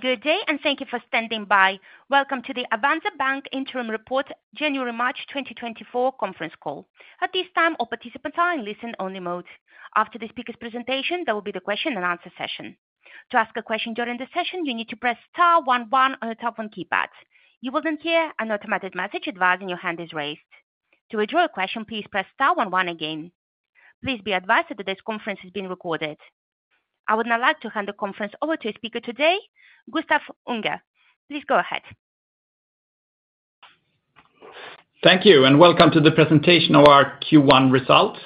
Good day, and thank you for standing by. Welcome to the Avanza Bank Interim Report, January-March 2024 Conference Call. At this time, all participants are in listen-only mode. After the speaker's presentation, there will be the question and answer session. To ask a question during the session, you need to press star one one on your telephone keypad. You will then hear an automatic message advising your hand is raised. To withdraw your question, please press star one one again. Please be advised that today's conference is being recorded. I would now like to hand the conference over to a speaker today, Gustaf Unger. Please go ahead. Thank you, and welcome to the presentation of our Q1 results.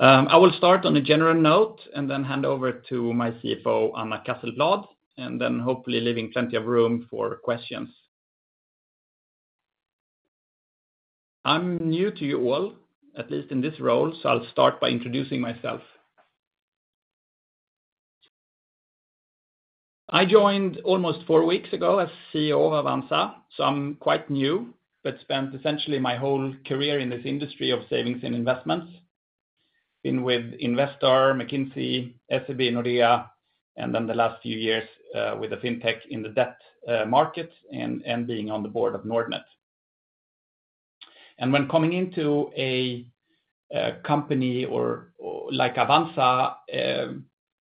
I will start on a general note and then hand over to my CFO, Anna Cassel Bladh, and then hopefully leaving plenty of room for questions. I'm new to you all, at least in this role, so I'll start by introducing myself. I joined almost four weeks ago as CEO of Avanza, so I'm quite new, but spent essentially my whole career in this industry of savings and investments. Been with Investor, McKinsey, SEB, Nordea, and then the last few years with the Fintech in the debt market and being on the board of Nordnet. When coming into a company or, like Avanza,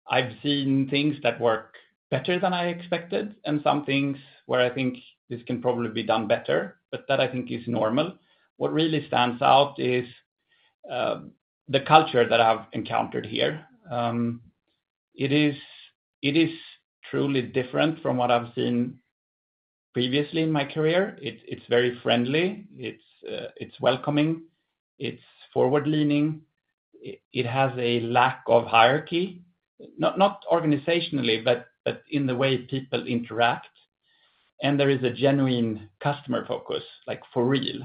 I've seen things that work better than I expected and some things where I think this can probably be done better, but that I think is normal. What really stands out is the culture that I've encountered here. It is truly different from what I've seen previously in my career. It's very friendly, it's welcoming, it's forward-leaning, it has a lack of hierarchy, not organizationally, but in the way people interact, and there is a genuine customer focus, like, for real.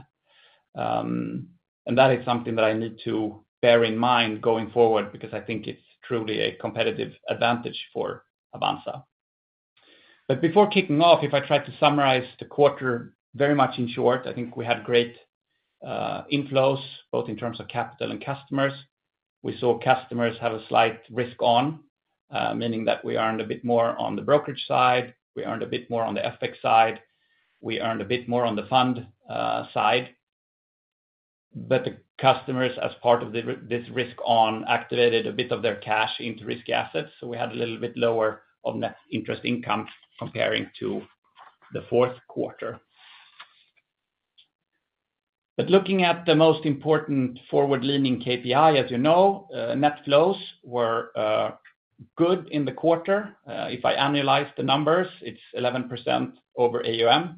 And that is something that I need to bear in mind going forward, because I think it's truly a competitive advantage for Avanza. But before kicking off, if I try to summarize the quarter very much in short, I think we had great inflows, both in terms of capital and customers. We saw customers have a slight risk on, meaning that we earned a bit more on the brokerage side, we earned a bit more on the FX side, we earned a bit more on the fund side. But the customers, as part of this risk on, activated a bit of their cash into risk assets, so we had a little bit lower of net interest income comparing to the fourth quarter. But looking at the most important forward-leaning KPI, as you know, net flows were good in the quarter. If I annualize the numbers, it's 11% over AUM,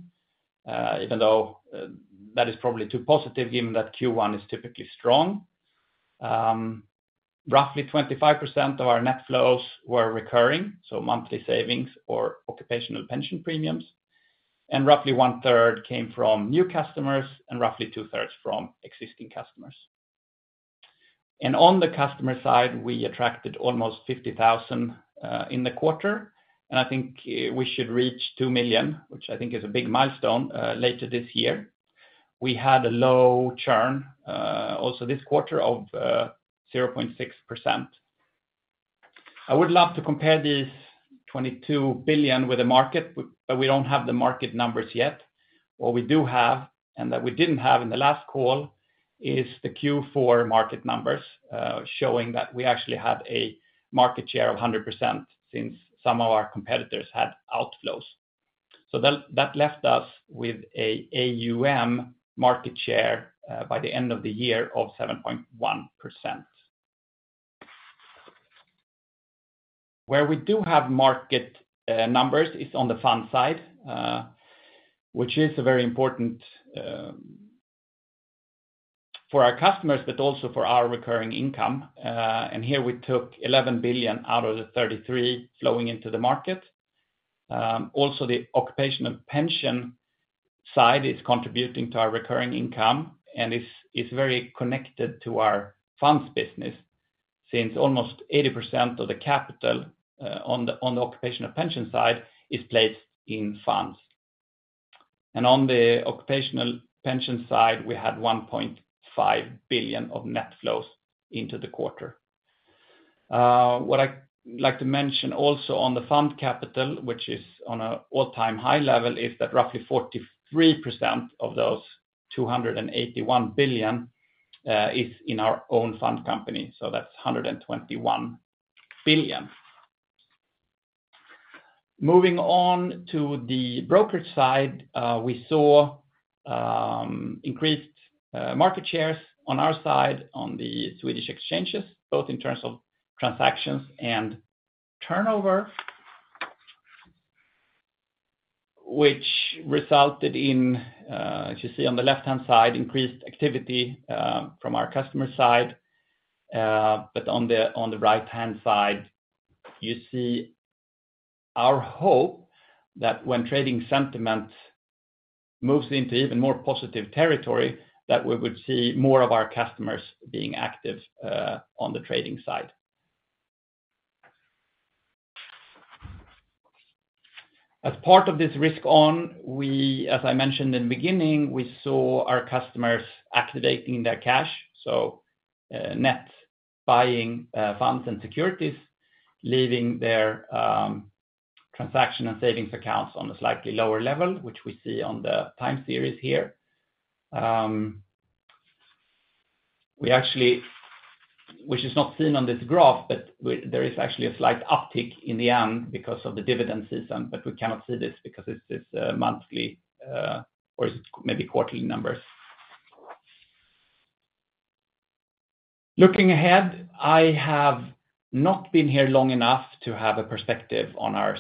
even though that is probably too positive given that Q1 is typically strong. Roughly 25% of our net flows were recurring, so monthly savings or occupational pension premiums, and roughly one third came from new customers and roughly two-thirds from existing customers. On the customer side, we attracted almost 50,000 in the quarter, and I think we should reach 2 million, which I think is a big milestone, later this year. We had a low churn also this quarter of 0.6%. I would love to compare these 22 billion with the market, but we don't have the market numbers yet. What we do have, and that we didn't have in the last call, is the Q4 market numbers showing that we actually have a market share of 100% since some of our competitors had outflows. So that left us with a AUM market share by the end of the year of 7.1%. Where we do have market numbers is on the fund side, which is very important for our customers, but also for our recurring income. And here we took 11 billion out of the 33 billion flowing into the market. Also, the occupational pension side is contributing to our recurring income, and it's very connected to our funds business, since almost 80% of the capital on the occupational pension side is placed in funds. And on the occupational pension side, we had 1.5 billion of net flows into the quarter. What I'd like to mention also on the fund capital, which is on an all-time high level, is that roughly 43% of those 281 billion is in our own fund company, so that's 121 billion. Moving on to the brokerage side, we saw increased market shares on our side on the Swedish exchanges, both in terms of transactions and turnover—which resulted in, as you see on the left-hand side, increased activity from our customer side. But on the right-hand side, you see our hope that when trading sentiment moves into even more positive territory, that we would see more of our customers being active on the trading side. As part of this risk on, as I mentioned in the beginning, we saw our customers activating their cash, so. Net buying funds and securities, leaving their transaction and savings accounts on a slightly lower level, which we see on the time series here. We actually, which is not seen on this graph, but there is actually a slight uptick in the end because of the dividend season, but we cannot see this because it's monthly or it's maybe quarterly numbers. Looking ahead, I have not been here long enough to have a perspective on our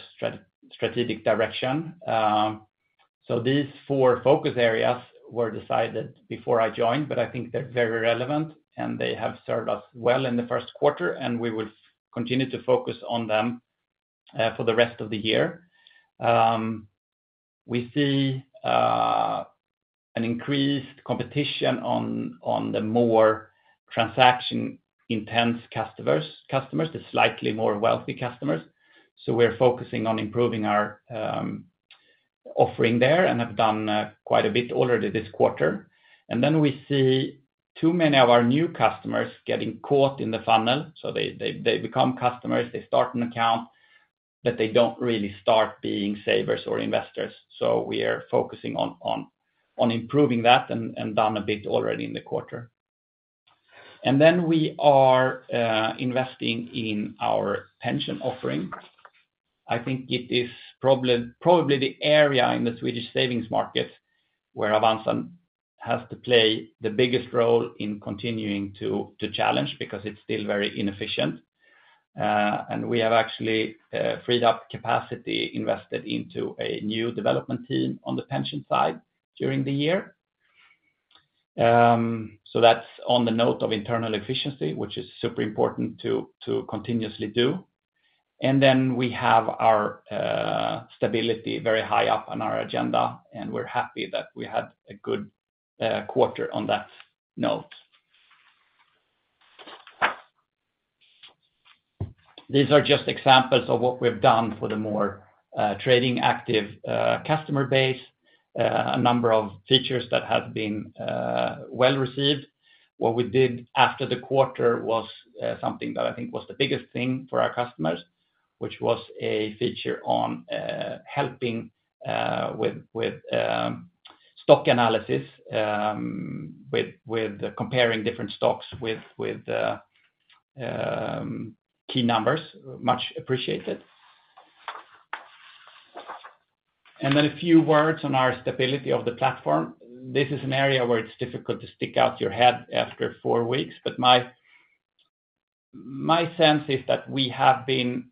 strategic direction. So these four focus areas were decided before I joined, but I think they're very relevant, and they have served us well in the first quarter, and we would continue to focus on them for the rest of the year. We see an increased competition on the more transaction-intense customers, the slightly more wealthy customers. So we're focusing on improving our offering there, and have done quite a bit already this quarter. And then we see too many of our new customers getting caught in the funnel. So they become customers, they start an account, but they don't really start being savers or investors, so we are focusing on improving that, and done a bit already in the quarter. And then we are investing in our pension offering. I think it is probably the area in the Swedish savings market where Avanza has to play the biggest role in continuing to challenge because it's still very inefficient. And we have actually freed up capacity invested into a new development team on the pension side during the year. So that's on the note of internal efficiency, which is super important to continuously do. And then we have our stability very high up on our agenda, and we're happy that we had a good quarter on that note. These are just examples of what we've done for the more trading active customer base, a number of features that have been well-received. What we did after the quarter was something that I think was the biggest thing for our customers, which was a feature on helping with stock analysis with comparing different stocks with key numbers, much appreciated. And then a few words on our stability of the platform. This is an area where it's difficult to stick out your head after four weeks, but my sense is that we have been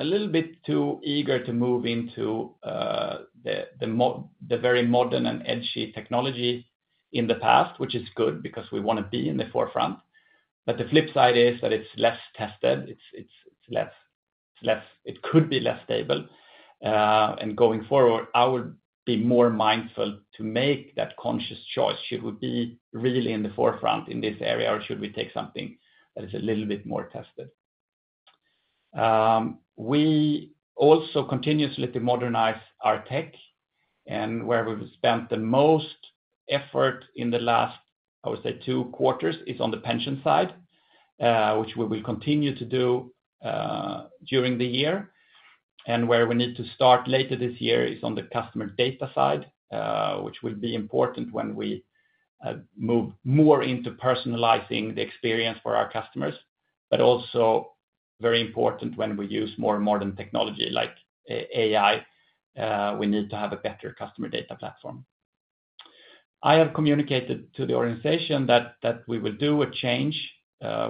a little bit too eager to move into the very modern and edgy technology in the past, which is good because we wanna be in the forefront. But the flip side is that it's less tested, it's less—it could be less stable. And going forward, I would be more mindful to make that conscious choice. Should we be really in the forefront in this area, or should we take something that is a little bit more tested? We also continuously modernize our tech, and where we've spent the most effort in the last, I would say, two quarters, is on the pension side, which we will continue to do during the year. Where we need to start later this year is on the customer data side, which will be important when we move more into personalizing the experience for our customers, but also very important when we use more and more modern technology, like AI, we need to have a better customer data platform. I have communicated to the organization that, that we will do a change,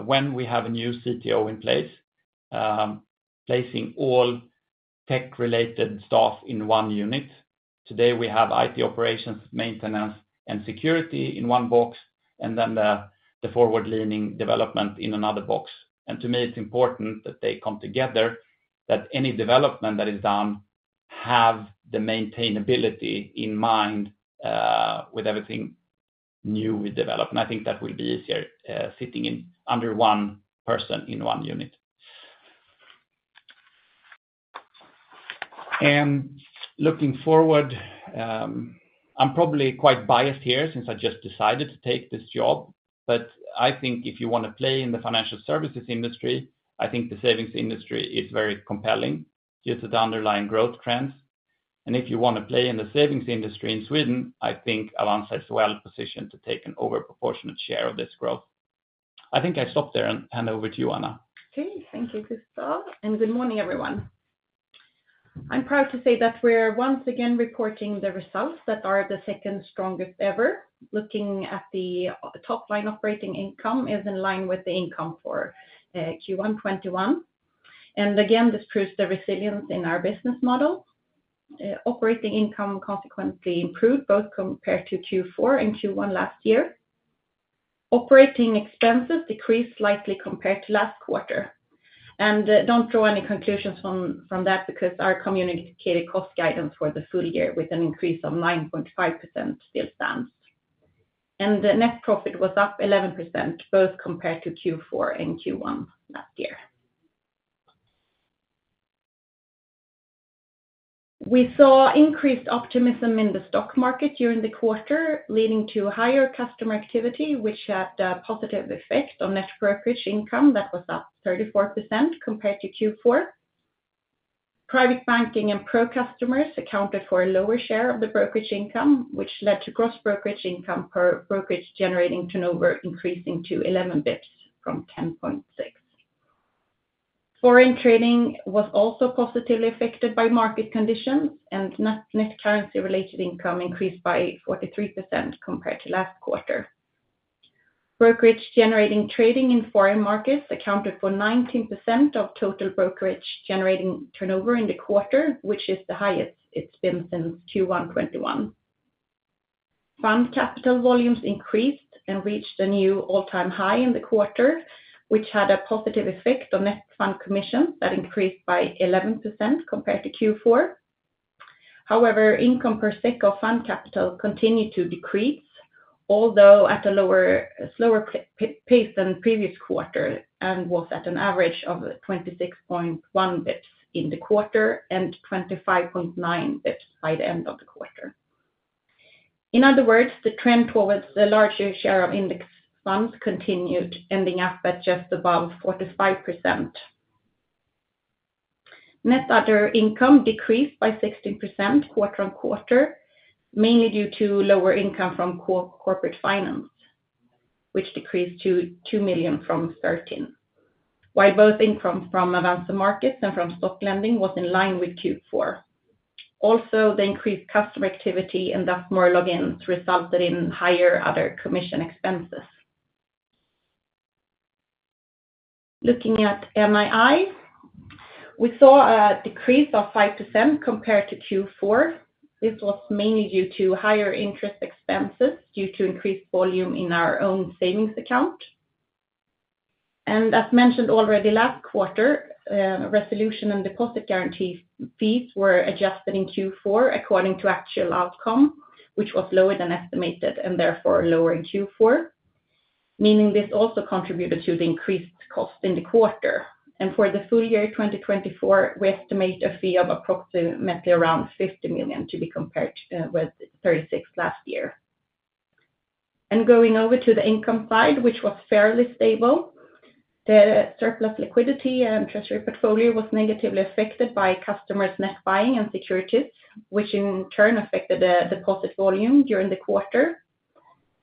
when we have a new CTO in place, placing all tech-related staff in one unit. Today, we have IT operations, maintenance, and security in one box, and then the forward-leaning development in another box. And to me, it's important that they come together, that any development that is done have the maintainability in mind, with everything new we develop. And I think that will be easier, sitting in under one person in one unit. Looking forward, I'm probably quite biased here since I just decided to take this job, but I think if you wanna play in the financial services industry, I think the savings industry is very compelling due to the underlying growth trends. And if you wanna play in the savings industry in Sweden, I think Avanza is well-positioned to take an overproportionate share of this growth. I think I stop there and hand over to you, Anna. Okay. Thank you, Gustaf, and good morning, everyone. I'm proud to say that we're once again reporting the results that are the second strongest ever. Looking at the top-line operating income is in line with the income for Q1 2021. And again, this proves the resilience in our business model. Operating income consequently improved, both compared to Q4 and Q1 last year. Operating expenses decreased slightly compared to last quarter. And, don't draw any conclusions from that, because our communicated cost guidance for the full year with an increase of 9.5% still stands. And the net profit was up 11%, both compared to Q4 and Q1 last year—we saw increased optimism in the stock market during the quarter, leading to higher customer activity, which had a positive effect on net brokerage income that was up 34% compared to Q4. Private Banking and Pro customers accounted for a lower share of the brokerage income, which led to gross brokerage income per brokerage generating turnover increasing to 11 bps from 10.6. Foreign trading was also positively affected by market conditions, and net currency-related income increased by 43% compared to last quarter. Brokerage generating trading in foreign markets accounted for 19% of total brokerage generating turnover in the quarter, which is the highest it's been since Q1 2021. Fund capital volumes increased and reached a new all-time high in the quarter, which had a positive effect on net fund commission that increased by 11% compared to Q4. However, income per SEK of fund capital continued to decrease, although at a slower pace than previous quarter, and was at an average of 26.1 basis points in the quarter and 25.9 basis points by the end of the quarter. In other words, the trend towards the larger share of index funds continued ending up at just above 45%. Net other income decreased by 16% quarter-on-quarter, mainly due to lower income from corporate finance, which decreased to 2 million from 13 million. While both income from Avanza Markets and from stock lending was in line with Q4. Also, the increased customer activity, and thus more logins, resulted in higher other commission expenses. Looking at NII, we saw a decrease of 5% compared to Q4. This was mainly due to higher interest expenses due to increased volume in our own savings account. As mentioned already, last quarter, resolution and deposit guarantee fees were adjusted in Q4 according to actual outcome, which was lower than estimated and therefore lower in Q4, meaning this also contributed to the increased cost in the quarter. For the full year 2024, we estimate a fee of approximately around 50 million to be compared with 36 million last year. Going over to the income side, which was fairly stable, the surplus liquidity and treasury portfolio was negatively affected by customers net buying and securities, which in turn affected the deposit volume during the quarter.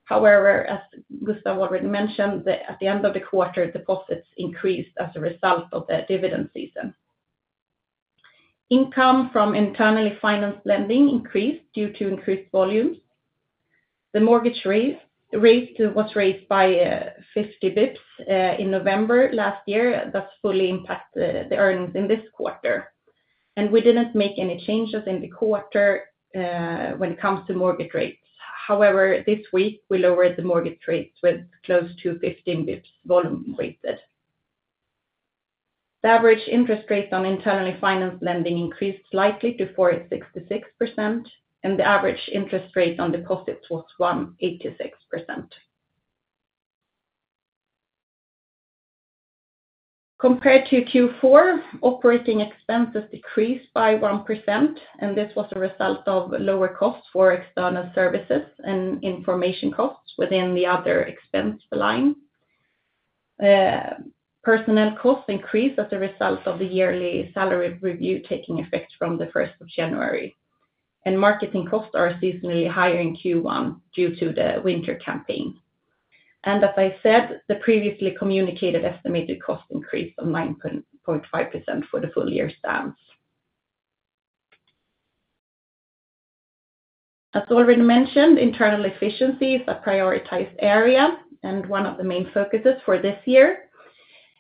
However, as Gustaf already mentioned, at the end of the quarter, deposits increased as a result of the dividend season. Income from internally financed lending increased due to increased volumes. The mortgage rate was raised by 50 basis points in November last year, that fully impact the earnings in this quarter. We didn't make any changes in the quarter when it comes to mortgage rates. However, this week, we lowered the mortgage rates with close to 15 basis points volume weighted. The average interest rates on internally financed lending increased slightly to 4.66%, and the average interest rate on deposits was 1.86%. Compared to Q4, operating expenses decreased by 1%, and this was a result of lower costs for external services and information costs within the other expense line. Personnel costs increased as a result of the yearly salary review taking effect from the first of January. Marketing costs are seasonally higher in Q1 due to the winter campaign. And as I said, the previously communicated estimated cost increase of 9.5% for the full year stands. As already mentioned, internal efficiency is a prioritized area and one of the main focuses for this year.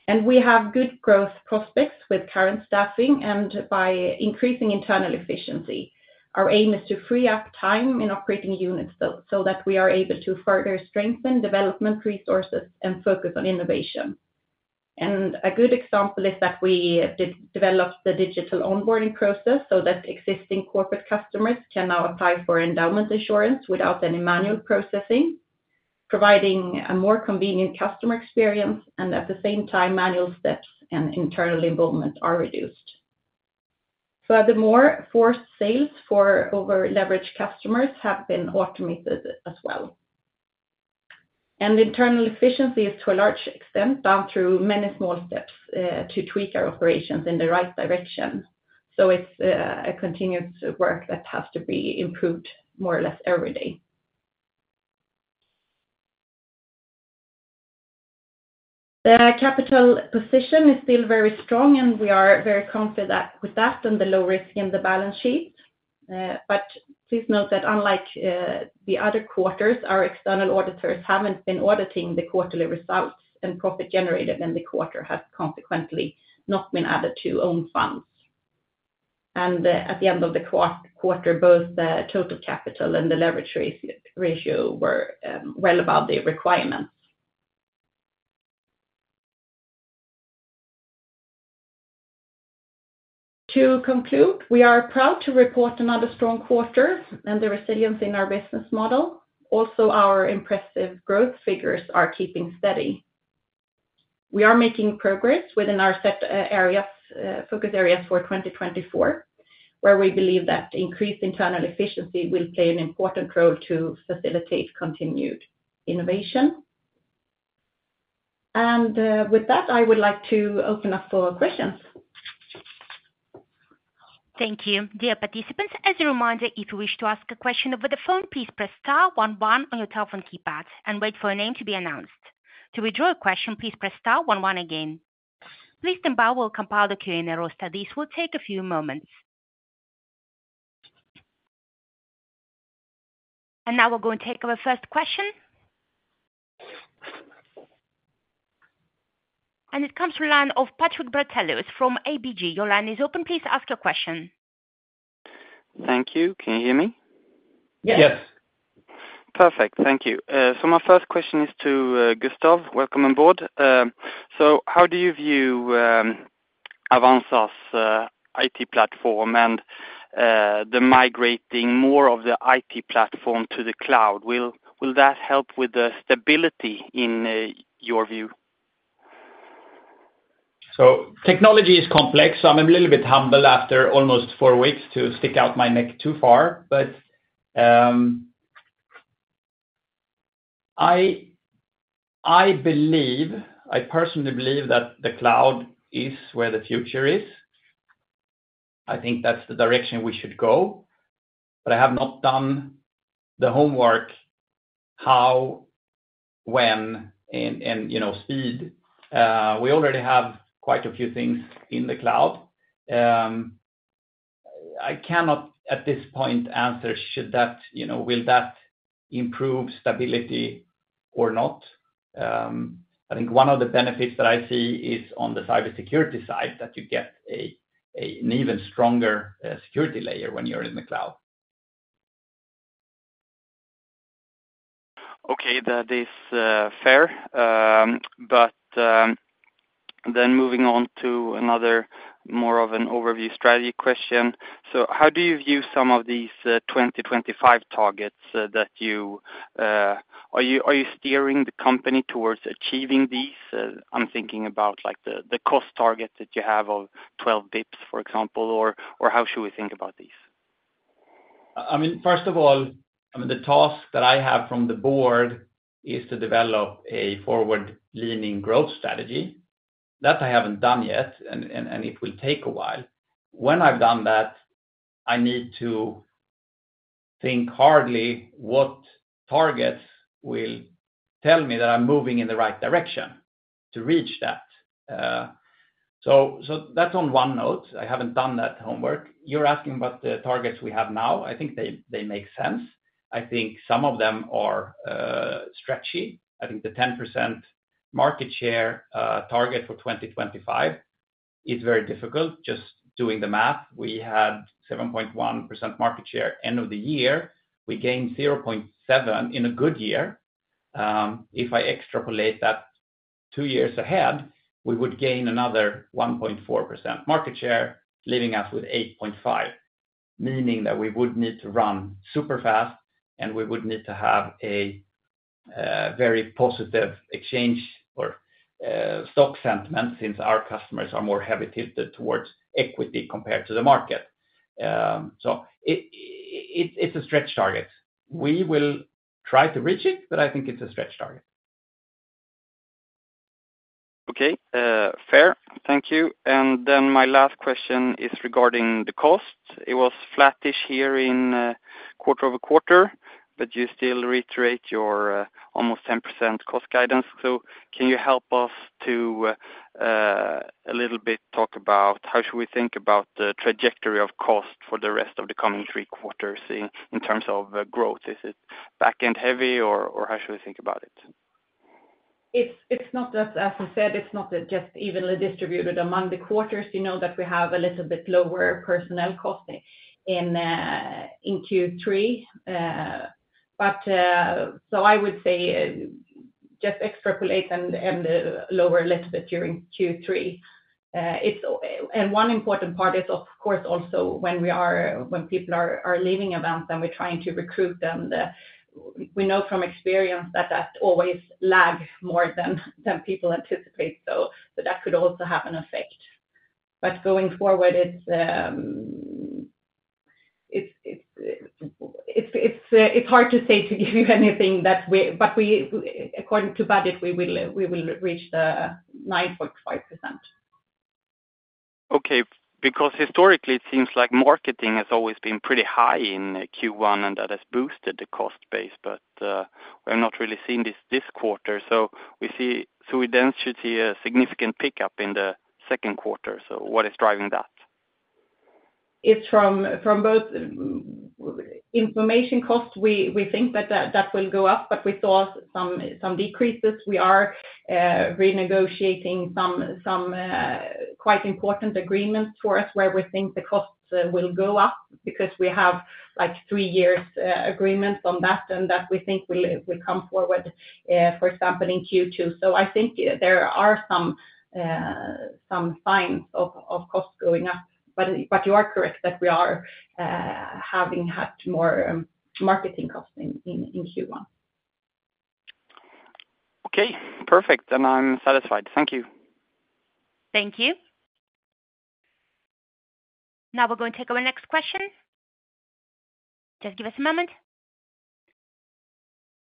And we have good growth prospects with current staffing and by increasing internal efficiency. Our aim is to free up time in operating units so that we are able to further strengthen development resources and focus on innovation. And a good example is that we re-developed the digital onboarding process so that existing corporate customers can now apply for endowment insurance without any manual processing, providing a more convenient customer experience, and at the same time, manual steps and internal involvement are reduced. Furthermore, forced sales for over-leveraged customers have been automated as well. Internal efficiency is, to a large extent, bound through many small steps to tweak our operations in the right direction. So it's a continuous work that has to be improved more or less every day. The capital position is still very strong, and we are very confident that with that and the low risk in the balance sheet. But please note that unlike the other quarters, our external auditors haven't been auditing the quarterly results, and profit generated in the quarter has consequently not been added to own funds. And at the end of the quarter, both the total capital and the leverage ratio were well above the requirements. To conclude, we are proud to report another strong quarter and the resilience in our business model. Also, our impressive growth figures are keeping steady. We are making progress within our set areas, focus areas for 2024, where we believe that increased internal efficiency will play an important role to facilitate continued innovation. And, with that, I would like to open up for questions. Thank you. Dear participants, as a reminder, if you wish to ask a question over the phone, please press star one one on your telephone keypad and wait for a name to be announced. To withdraw a question, please press star one one again. Please stand by, we'll compile the Q&A roster. This will take a few moments. And now we're going to take our first question. And it comes from line of Patrik Brattelius from ABG. Your line is open, please ask your question. Thank you. Can you hear me? Yes. Yes. Perfect. Thank you. My first question is to Gustaf. Welcome on board. How do you view Avanza's IT platform and the migrating more of the IT platform to the cloud? Will that help with the stability in your view? So technology is complex, so I'm a little bit humble after almost four weeks to stick out my neck too far. But, I believe, I personally believe that the cloud is where the future is. I think that's the direction we should go, but I have not done the homework, how, when, and you know, speed. We already have quite a few things in the cloud. I cannot at this point answer, should that, you know, will that improve stability or not? I think one of the benefits that I see is on the cybersecurity side, that you get an even stronger security layer when you're in the cloud. Okay, that is, fair. But then moving on to another more of an overview strategy question. So how do you view some of these, 2025 targets, that you-- are you, are you steering the company towards achieving these? I'm thinking about, like, the cost targets that you have of 12 basis points, for example, or how should we think about these? I mean, first of all, I mean, the task that I have from the board is to develop a forward-leaning growth strategy. That I haven't done yet, and it will take a while. When I've done that, I need to think hard what targets will tell me that I'm moving in the right direction to reach that. So that's on one note, I haven't done that homework. You're asking about the targets we have now. I think they make sense. I think some of them are stretchy. I think the 10% market share target for 2025 is very difficult. Just doing the math, we had 7.1% market share end of the year. We gained 0.7 in a good year. If I extrapolate that 2 years ahead, we would gain another 1.4% market share, leaving us with 8.5. Meaning that we would need to run super fast, and we would need to have a very positive exchange or stock sentiment since our customers are more heavy tilted towards equity compared to the market. So it, it's a stretch target. We will try to reach it, but I think it's a stretch target. Okay, fair. Thank you. And then my last question is regarding the cost. It was flattish here in quarter over quarter, but you still reiterate your almost 10% cost guidance. So can you help us to a little bit talk about how should we think about the trajectory of cost for the rest of the coming three quarters in terms of growth? Is it back-end heavy or how should we think about it? It's not just—as I said, it's not just evenly distributed among the quarters. You know, that we have a little bit lower personnel cost in Q3. But so I would say just extrapolate and lower a little bit during Q3. And one important part is, of course, also when people are leaving events, then we're trying to recruit them. We know from experience that that always lag more than people anticipate, so that could also have an effect. But going forward, it's hard to say, to give you anything that we—but according to budget, we will reach the 9.5%. Okay. Because historically, it seems like marketing has always been pretty high in Q1, and that has boosted the cost base, but we're not really seeing this, this quarter. So we see, so we then should see a significant pickup in the second quarter. So what is driving that? It's from both information costs, we think that that will go up, but we saw some decreases. We are renegotiating some quite important agreements for us, where we think the costs will go up because we have, like, three years agreement on that, and that we think will come forward, for example, in Q2. So I think there are some signs of costs going up. But you are correct that we are having had more marketing costs in Q1. Okay, perfect. Then I'm satisfied. Thank you. Thank you. Now we're going to take our next question. Just give us a moment.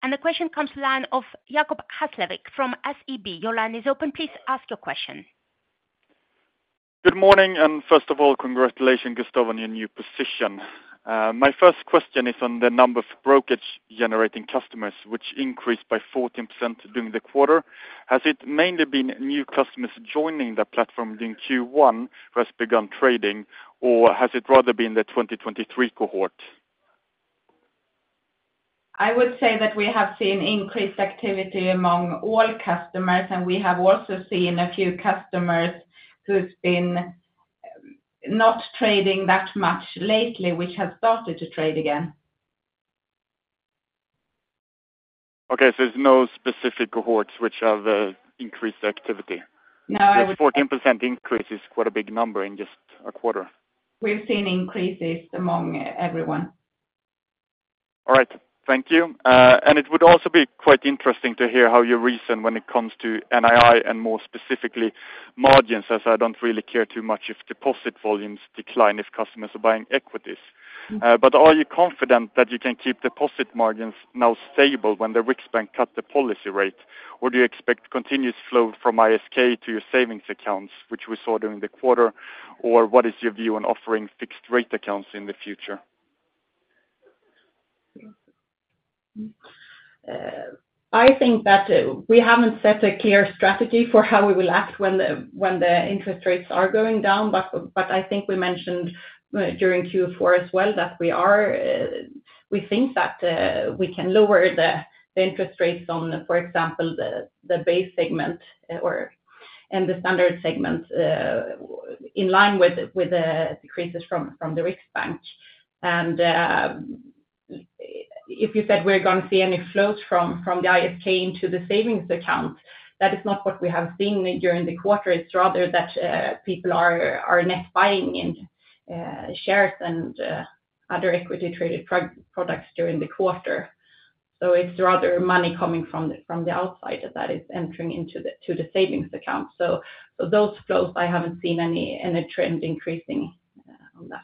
And the question comes to line of Jacob Hesslevik from SEB. Your line is open. Please ask your question. Good morning, and first of all, congratulations, Gustaf, on your new position. My first question is on the number of brokerage-generating customers, which increased by 14% during the quarter. Has it mainly been new customers joining the platform during Q1, who has begun trading, or has it rather been the 2023 cohort? I would say that we have seen increased activity among all customers, and we have also seen a few customers who's been not trading that much lately, which have started to trade again. Okay, so there's no specific cohorts which have increased activity? No, I would— This 14% increase is quite a big number in just a quarter. We've seen increases among everyone. All right. Thank you. It would also be quite interesting to hear how you reason when it comes to NII, and more specifically, margins, as I don't really care too much if deposit volumes decline if customers are buying equities. But are you confident that you can keep deposit margins now stable when the Riksbank cut the policy rate? Or do you expect continuous flow from ISK to your savings accounts, which we saw during the quarter, or what is your view on offering fixed rate accounts in the future? I think that we haven't set a clear strategy for how we will act when the interest rates are going down. But I think we mentioned during Q4 as well, that we think that we can lower the interest rates on, for example, the base segment or and the standard segment in line with the decreases from the Riksbank. And if you said we're gonna see any flows from the ISK into the savings account, that is not what we have seen during the quarter. It's rather that people are net buying in shares and other equity-traded products during the quarter. So it's rather money coming from the outside that is entering into the savings account. So, those flows, I haven't seen any trend increasing on that.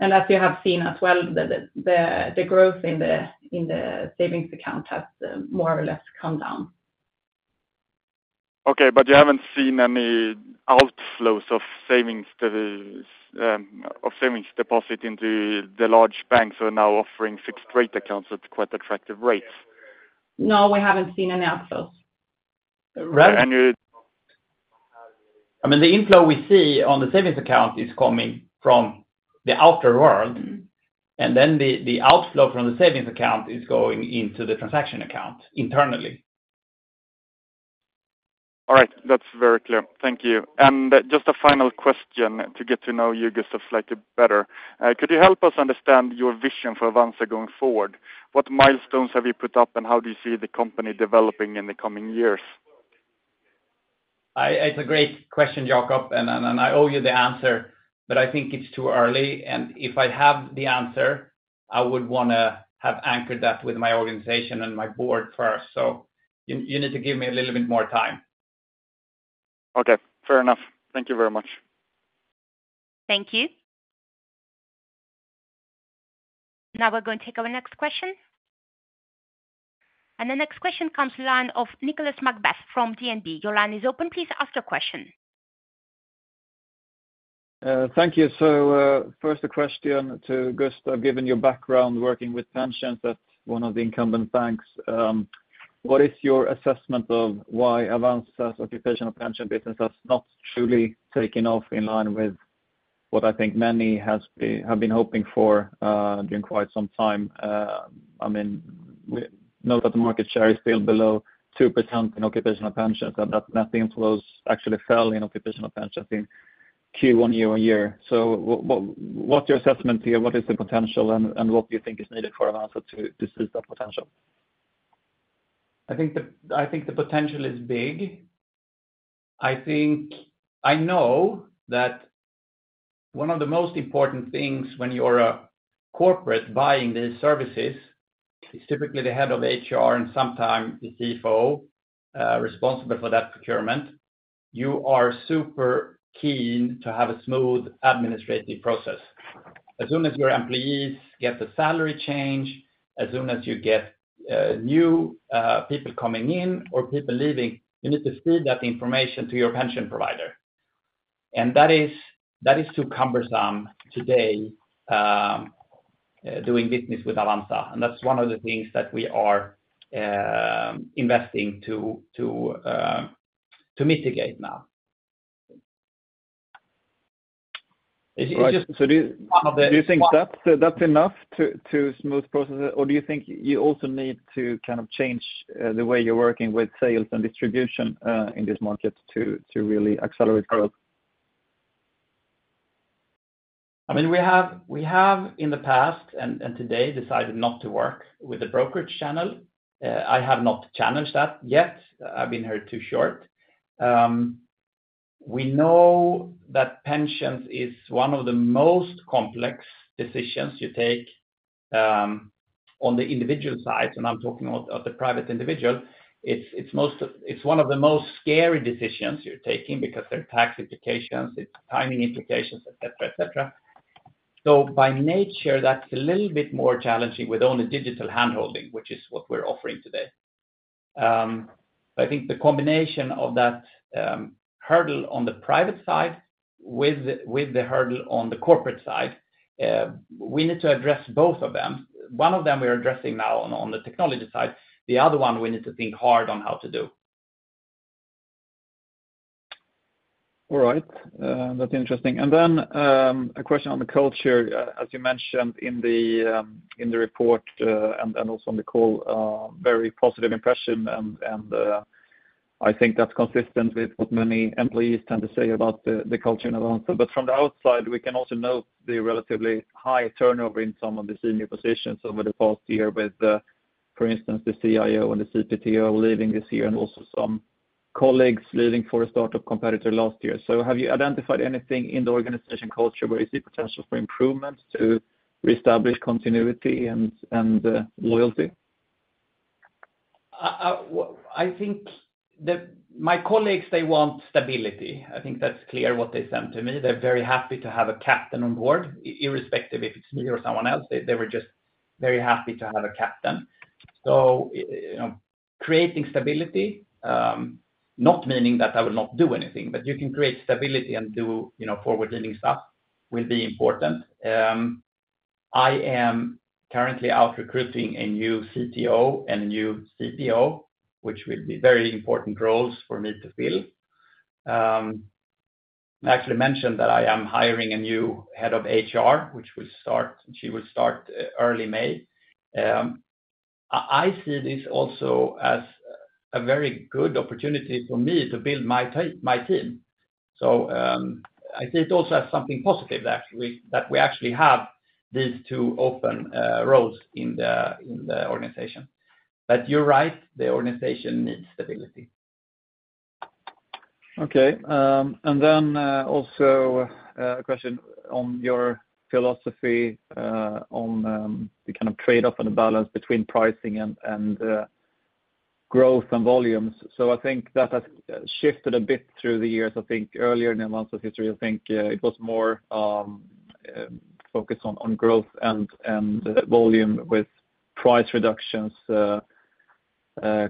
And as you have seen as well, the growth in the savings account has more or less come down. Okay, but you haven't seen any outflows of savings, of savings deposit into the large banks who are now offering fixed rate accounts at quite attractive rates? No, we haven't seen any outflows. And you— Right—I mean, the inflow we see on the savings account is coming from the outer world. And then the outflow from the savings account is going into the transaction account internally. All right. That's very clear. Thank you. Just a final question to get to know you, Gustaf, slightly better. Could you help us understand your vision for Avanza going forward? What milestones have you put up, and how do you see the company developing in the coming years? It's a great question, Jacob, and I owe you the answer, but I think it's too early, and if I have the answer, I would wanna have anchored that with my organization and my board first. So you need to give me a little bit more time. Okay, fair enough. Thank you very much. Thank you. Now we're going to take our next question. And the next question comes to line of Nicolas McBeath from DNB. Your line is open. Please ask your question. Thank you. So, first a question to Gustaf. Given your background working with pensions at one of the incumbent banks, what is your assessment of why Avanza's occupational pension business has not truly taken off in line with what I think many have been hoping for, during quite some time? I mean, we know that the market share is still below 2% in occupational pensions, and that net inflows actually fell in occupational pension in Q1 year-over-year. So what's your assessment here? What is the potential, and what do you think is needed for Avanza to seize that potential? I think the potential is big. I think I know that one of the most important things when you're a corporate buying these services is typically the head of HR and sometime the CFO responsible for that procurement. You are super keen to have a smooth administrative process. As soon as your employees get a salary change, as soon as you get new people coming in or people leaving, you need to feed that information to your pension provider. And that is too cumbersome today doing business with Avanza, and that's one of the things that we are investing to mitigate now. It is just— Right. So do you think that's enough to smooth processes, or do you think you also need to kind of change the way you're working with sales and distribution in this market to really accelerate growth? I mean, we have in the past and today decided not to work with the brokerage channel. I have not challenged that yet. I've been here too short. We know that pensions is one of the most complex decisions you take, on the individual side, and I'm talking about of the private individual. It's one of the most scary decisions you're taking because there are tax implications, it's timing implications, et cetera, et cetera. So by nature, that's a little bit more challenging with only digital handholding, which is what we're offering today. I think the combination of that hurdle on the private side with the hurdle on the corporate side, we need to address both of them. One of them we are addressing now on the technology side, the other one, we need to think hard on how to do. All right. That's interesting. And then, a question on the culture. As you mentioned in the, in the report, and, I think that's consistent with what many employees tend to say about the, the culture in Avanza. But from the outside, we can also note the relatively high turnover in some of the senior positions over the past year with, for instance, the CIO and the CPTO leaving this year, and also some colleagues leaving for a startup competitor last year. So have you identified anything in the organization culture where you see potential for improvement to reestablish continuity and, loyalty? I think my colleagues, they want stability. I think that's clear what they said to me. They're very happy to have a captain on board, irrespective if it's me or someone else. They, they were just very happy to have a captain. So, you know, creating stability, not meaning that I will not do anything, but you can create stability and do, you know, forward-leaning stuff will be important. I am currently out recruiting a new CTO and new CPO, which will be very important roles for me to fill. I actually mentioned that I am hiring a new head of HR, which will start-- she will start early May. I see this also as a very good opportunity for me to build my team. So, I see it also as something positive that we actually have these two open roles in the organization. But you're right, the organization needs stability. Okay. And then, also, a question on your philosophy, on, the kind of trade-off and the balance between pricing and, and, growth and volumes. So I think that has shifted a bit through the years. I think earlier in the months of history, I think it was more, focused on, on growth and, and volume with price reductions,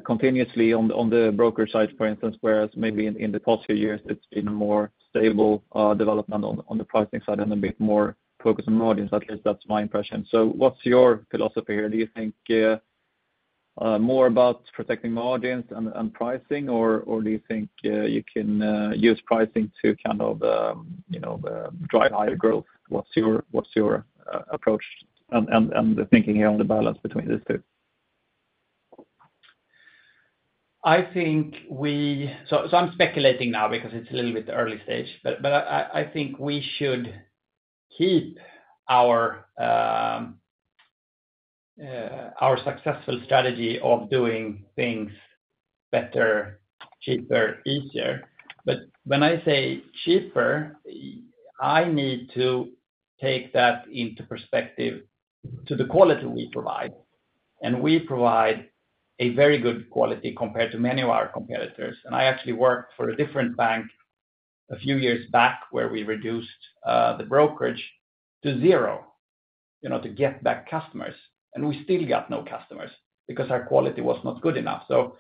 continuously on, on the broker side, for instance, whereas maybe in, in the past few years, it's been more stable, development on, on the pricing side and a bit more focus on margins. At least that's my impression. So what's your philosophy here? Do you think more about protecting margins and, and pricing, or, or do you think you can use pricing to kind of, you know, drive higher growth? What's your approach and the thinking on the balance between these two? I think, so I'm speculating now because it's a little bit early stage, but I think we should keep our successful strategy of doing things better, cheaper, easier. But when I say cheaper, I need to take that into perspective to the quality we provide, and we provide a very good quality compared to many of our competitors. And I actually worked for a different bank a few years back, where we reduced the brokerage to zero, you know, to get back customers, and we still got no customers because our quality was not good enough. So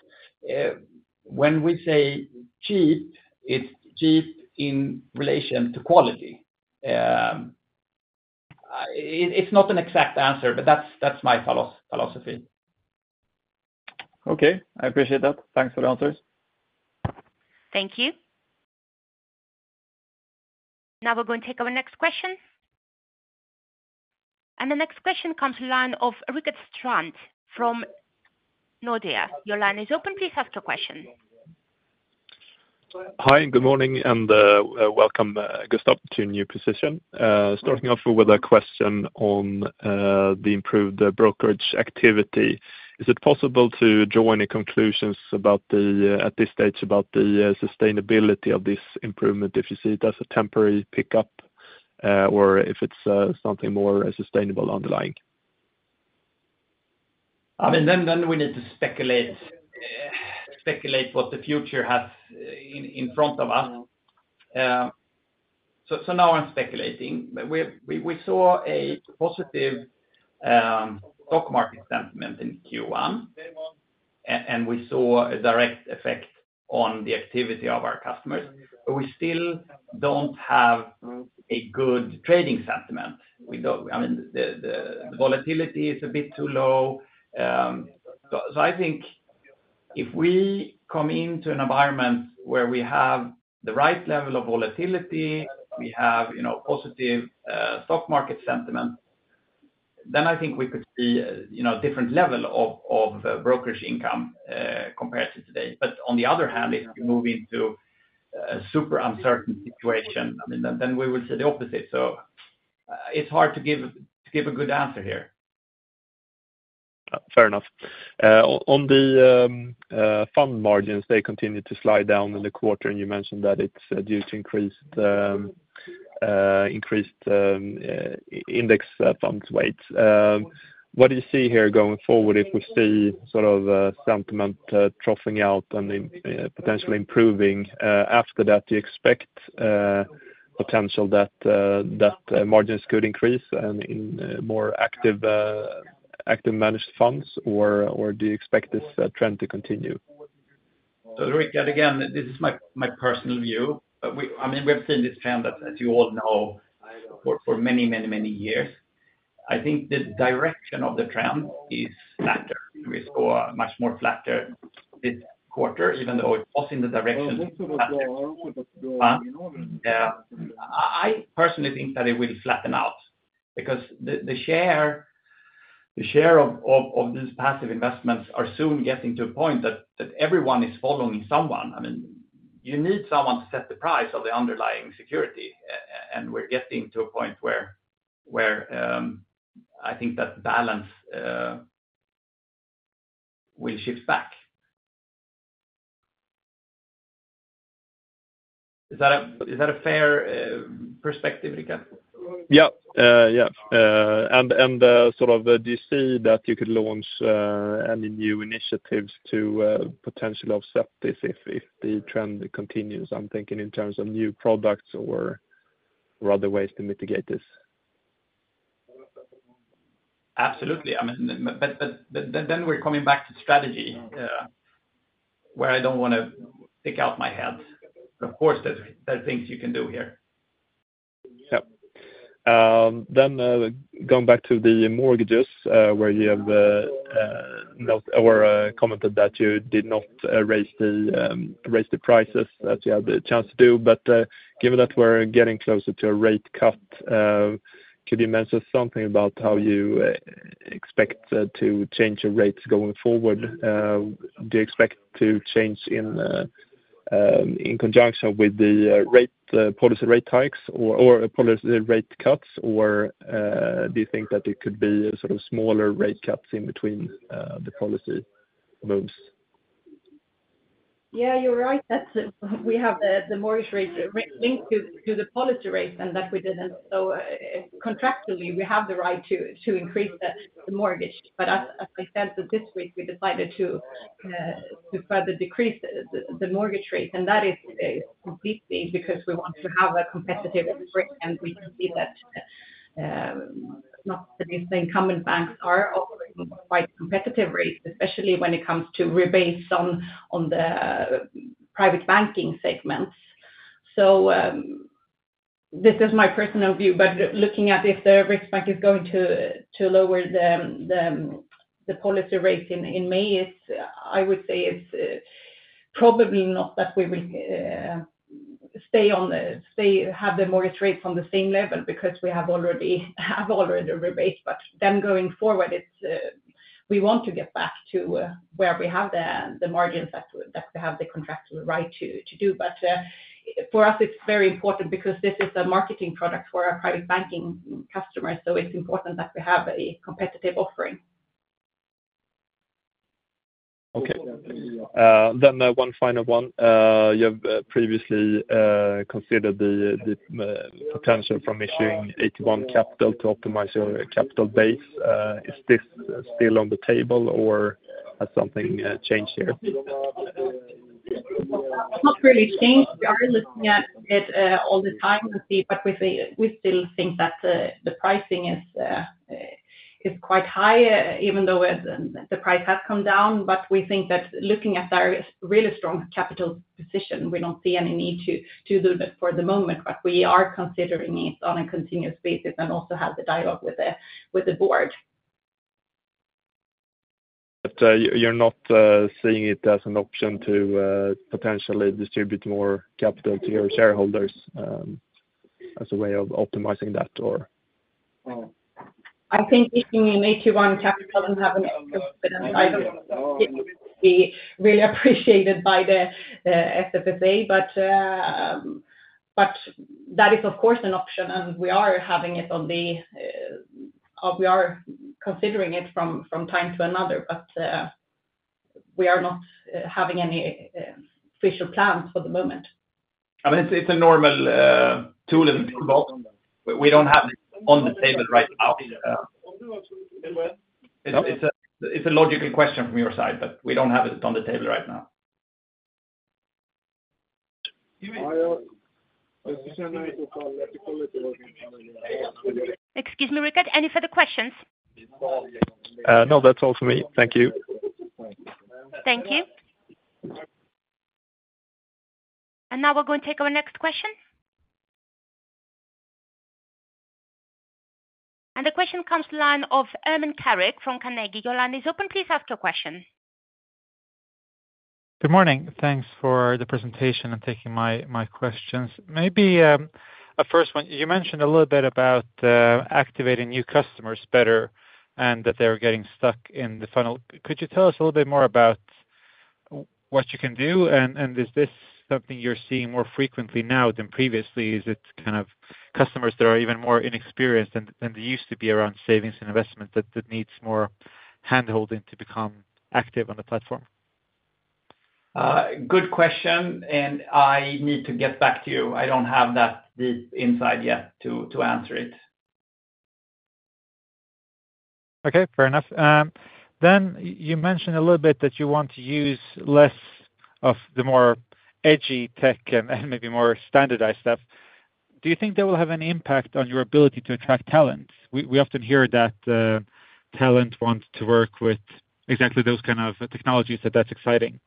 when we say cheap, it's cheap in relation to quality. It, it's not an exact answer, but that's my philosophy. Okay. I appreciate that. Thanks for the answers. Thank you. Now we're going to take our next question. The next question comes to line of Rickard Strand from Nordea. Your line is open. Please ask your question. Hi, good morning, and welcome, Gustaf, to your new position. Starting off with a question on the improved brokerage activity. Is it possible to draw any conclusions about the at this stage about the sustainability of this improvement, if you see it as a temporary pickup or if it's something more sustainable underlying? I mean, then, then we need to speculate, speculate what the future has in front of us. So, so now I'm speculating. We saw a positive stock market sentiment in Q1, and we saw a direct effect on the activity of our customers, but we still don't have a good trading sentiment. We don't—I mean, the volatility is a bit too low. So, so I think if we come into an environment where we have the right level of volatility, we have, you know, positive stock market sentiment. Then I think we could see, you know, a different level of brokerage income compared to today. But on the other hand, if you move into a super uncertain situation, I mean, then, then we will see the opposite. So it's hard to give a good answer here. Fair enough. On the fund margins, they continued to slide down in the quarter, and you mentioned that it's due to increased index funds weights. What do you see here going forward if we see sort of sentiment troughing out and potentially improving after that? Do you expect potential that margins could increase and in more active managed funds, or do you expect this trend to continue? So Rickard, yet again, this is my personal view, but I mean, we have seen this trend, as you all know, for many, many, many years. I think the direction of the trend is flatter. We saw much more flatter this quarter, even though it was in the direction of flatter. I personally think that it will flatten out because the share of these passive investments is soon getting to a point that everyone is following someone. I mean, you need someone to set the price of the underlying security, and we're getting to a point where I think that balance will shift back. Is that a fair perspective, Rickard? Yeah. Yeah. And sort of, do you see that you could launch any new initiatives to potentially offset this if the trend continues? I'm thinking in terms of new products or other ways to mitigate this. Absolutely. I mean, but then we're coming back to strategy, where I don't wanna stick out my head. Of course, there are things you can do here. Yeah. Then, going back to the mortgages, where you have not commented that you did not raise the prices as you had the chance to do. But, given that we're getting closer to a rate cut, could you mention something about how you expect to change your rates going forward? Do you expect to change in conjunction with the policy rate hikes or policy rate cuts? Or, do you think that it could be sort of smaller rate cuts in between the policy moves? Yeah, you're right. That's it. We have the mortgage rate linked to the policy rate, and that we didn't—so, contractually, we have the right to increase the mortgage. But as I said, that this week, we decided to further decrease the mortgage rate, and that is completely because we want to have a competitive interest, and we can see that not the incoming banks are offering quite competitive rates, especially when it comes to rebates on the private banking segments. So, this is my personal view, but looking at if the Riksbank is going to lower the policy rate in May, I would say it's probably not that we will stay, have the mortgage rate from the same level, because we have already rebates. But then going forward, we want to get back to where we have the margins that we have the contractual right to do. But for us, it's very important because this is a marketing product for our Private Banking customers, so it's important that we have a competitive offering. Okay. Then, one final one. You have previously considered the potential from issuing AT1 capital to optimize your capital base. Is this still on the table, or has something changed here? Not really changed. We are looking at it all the time to see, but we still think that the pricing is quite high, even though the price has come down. But we think that, looking at our really strong capital position, we don't see any need to do that for the moment. But we are considering it on a continuous basis and also have the dialogue with the board. You're not seeing it as an option to potentially distribute more capital to your shareholders as a way of optimizing that or— I think if you make your own capital and have an item, it would be really appreciated by the SFSA. But that is, of course, an option, and we are considering it from time to time. But we are not having any official plans for the moment. I mean, it's a normal tool in the box, but we don't have it on the table right now. It's a logical question from your side, but we don't have it on the table right now. Excuse me, Rickard, any further questions? No, that's all for me. Thank you. Thank you. Now we're going to take our next question. The question comes to the line of Ermin Keric from Carnegie. Your line is open. Please ask your question. Good morning. Thanks for the presentation and taking my questions. Maybe, a first one, you mentioned a little bit about activating new customers better, and that they're getting stuck in the funnel. Could you tell us a little bit more about what you can do? And, is this something you're seeing more frequently now than previously? Is it kind of customers that are even more inexperienced than they used to be around savings and investment, that needs more handholding to become active on the platform? Good question, and I need to get back to you. I don't have that deep insight yet to answer it. Okay, fair enough. Then you mentioned a little bit that you want to use less of the more edgy tech and maybe more standardized stuff. Do you think that will have any impact on your ability to attract talent? We often hear that talent wants to work with exactly those kind of technologies, that that's exciting.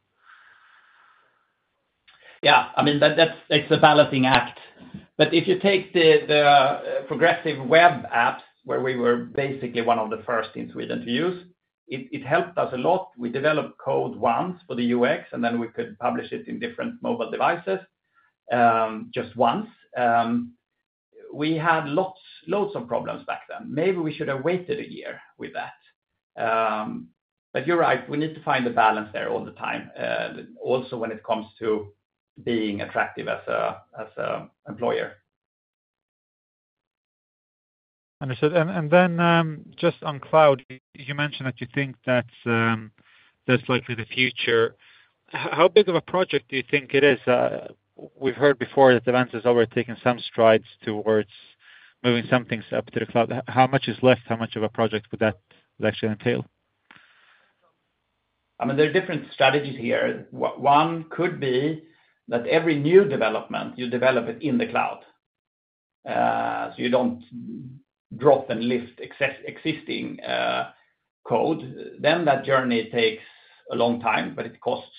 Yeah. I mean, that's- it's a balancing act. But if you take the progressive web apps, where we were basically one of the first in Sweden to use, it helped us a lot. We developed code once for the UX, and then we could publish it in different mobile devices, just once. We had lots, loads of problems back then. Maybe we should have waited a year with that. But you're right, we need to find a balance there all the time, also when it comes to being attractive as a, as a employer. Understood. And then, just on cloud, you mentioned that you think that that's likely the future. How big of a project do you think it is? We've heard before that Avanza has already taken some strides towards moving some things up to the cloud. How much is left? How much of a project would that actually entail? I mean, there are different strategies here. One could be that every new development, you develop it in the cloud. So you don't drop and lift existing code. Then that journey takes a long time, but it costs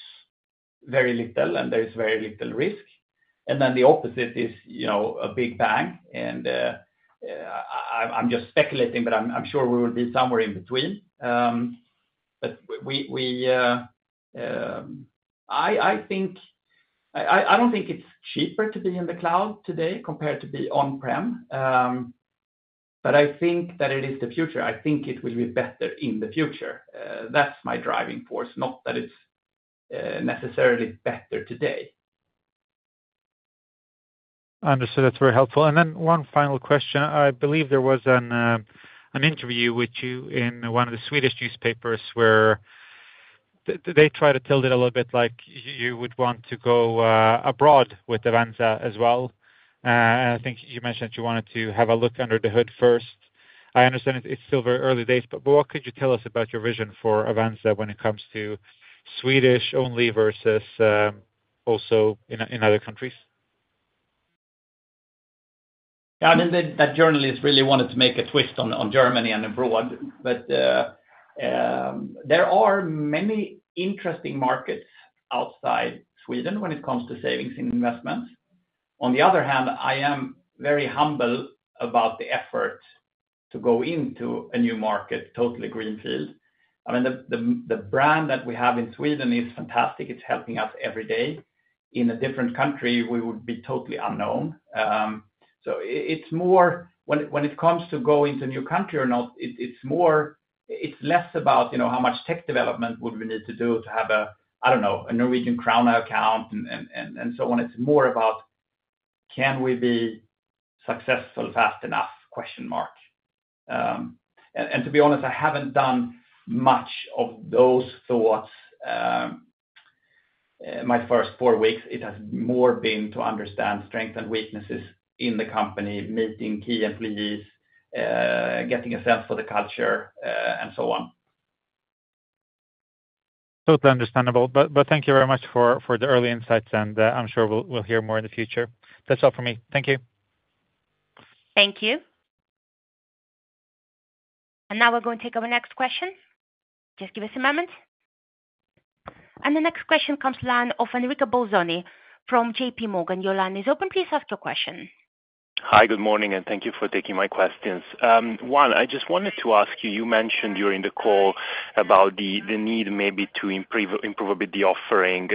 very little, and there is very little risk. And then the opposite is, you know, a big bang, and I'm just speculating, but I'm sure we will be somewhere in between. But we, I don't think it's cheaper to be in the cloud today compared to be on-prem. But I think that it is the future. I think it will be better in the future. That's my driving force, not that it's necessarily better today. Understood. That's very helpful. And then one final question. I believe there was an interview with you in one of the Swedish newspapers, where they tried to tilt it a little bit like you would want to go abroad with Avanza as well. And I think you mentioned you wanted to have a look under the hood first. I understand it's still very early days, but what could you tell us about your vision for Avanza when it comes to Swedish only versus also in other countries? Yeah, I mean, that journalist really wanted to make a twist on Germany and abroad, but there are many interesting markets outside Sweden when it comes to savings and investments. On the other hand, I am very humble about the effort to go into a new market, totally greenfield. I mean, the brand that we have in Sweden is fantastic. It's helping us every day. In a different country, we would be totally unknown. So it's more when it comes to going to a new country or not. It's less about, you know, how much tech development would we need to do to have a, I don't know, a Norwegian krone account and so on. It's more about can we be successful fast enough? To be honest, I haven't done much of those thoughts. My first four weeks, it has more been to understand strengths and weaknesses in the company, meeting key employees, getting a sense for the culture, and so on. Totally understandable. But thank you very much for the early insights, and I'm sure we'll hear more in the future. That's all for me. Thank you. Thank you. And now we're going to take our next question. Just give us a moment. And the next question comes line of Enrico Bolzoni from J.P. Morgan. Your line is open. Please ask your question. Hi, good morning, and thank you for taking my questions. One, I just wanted to ask you. You mentioned during the call about the need maybe to improve a bit the offering,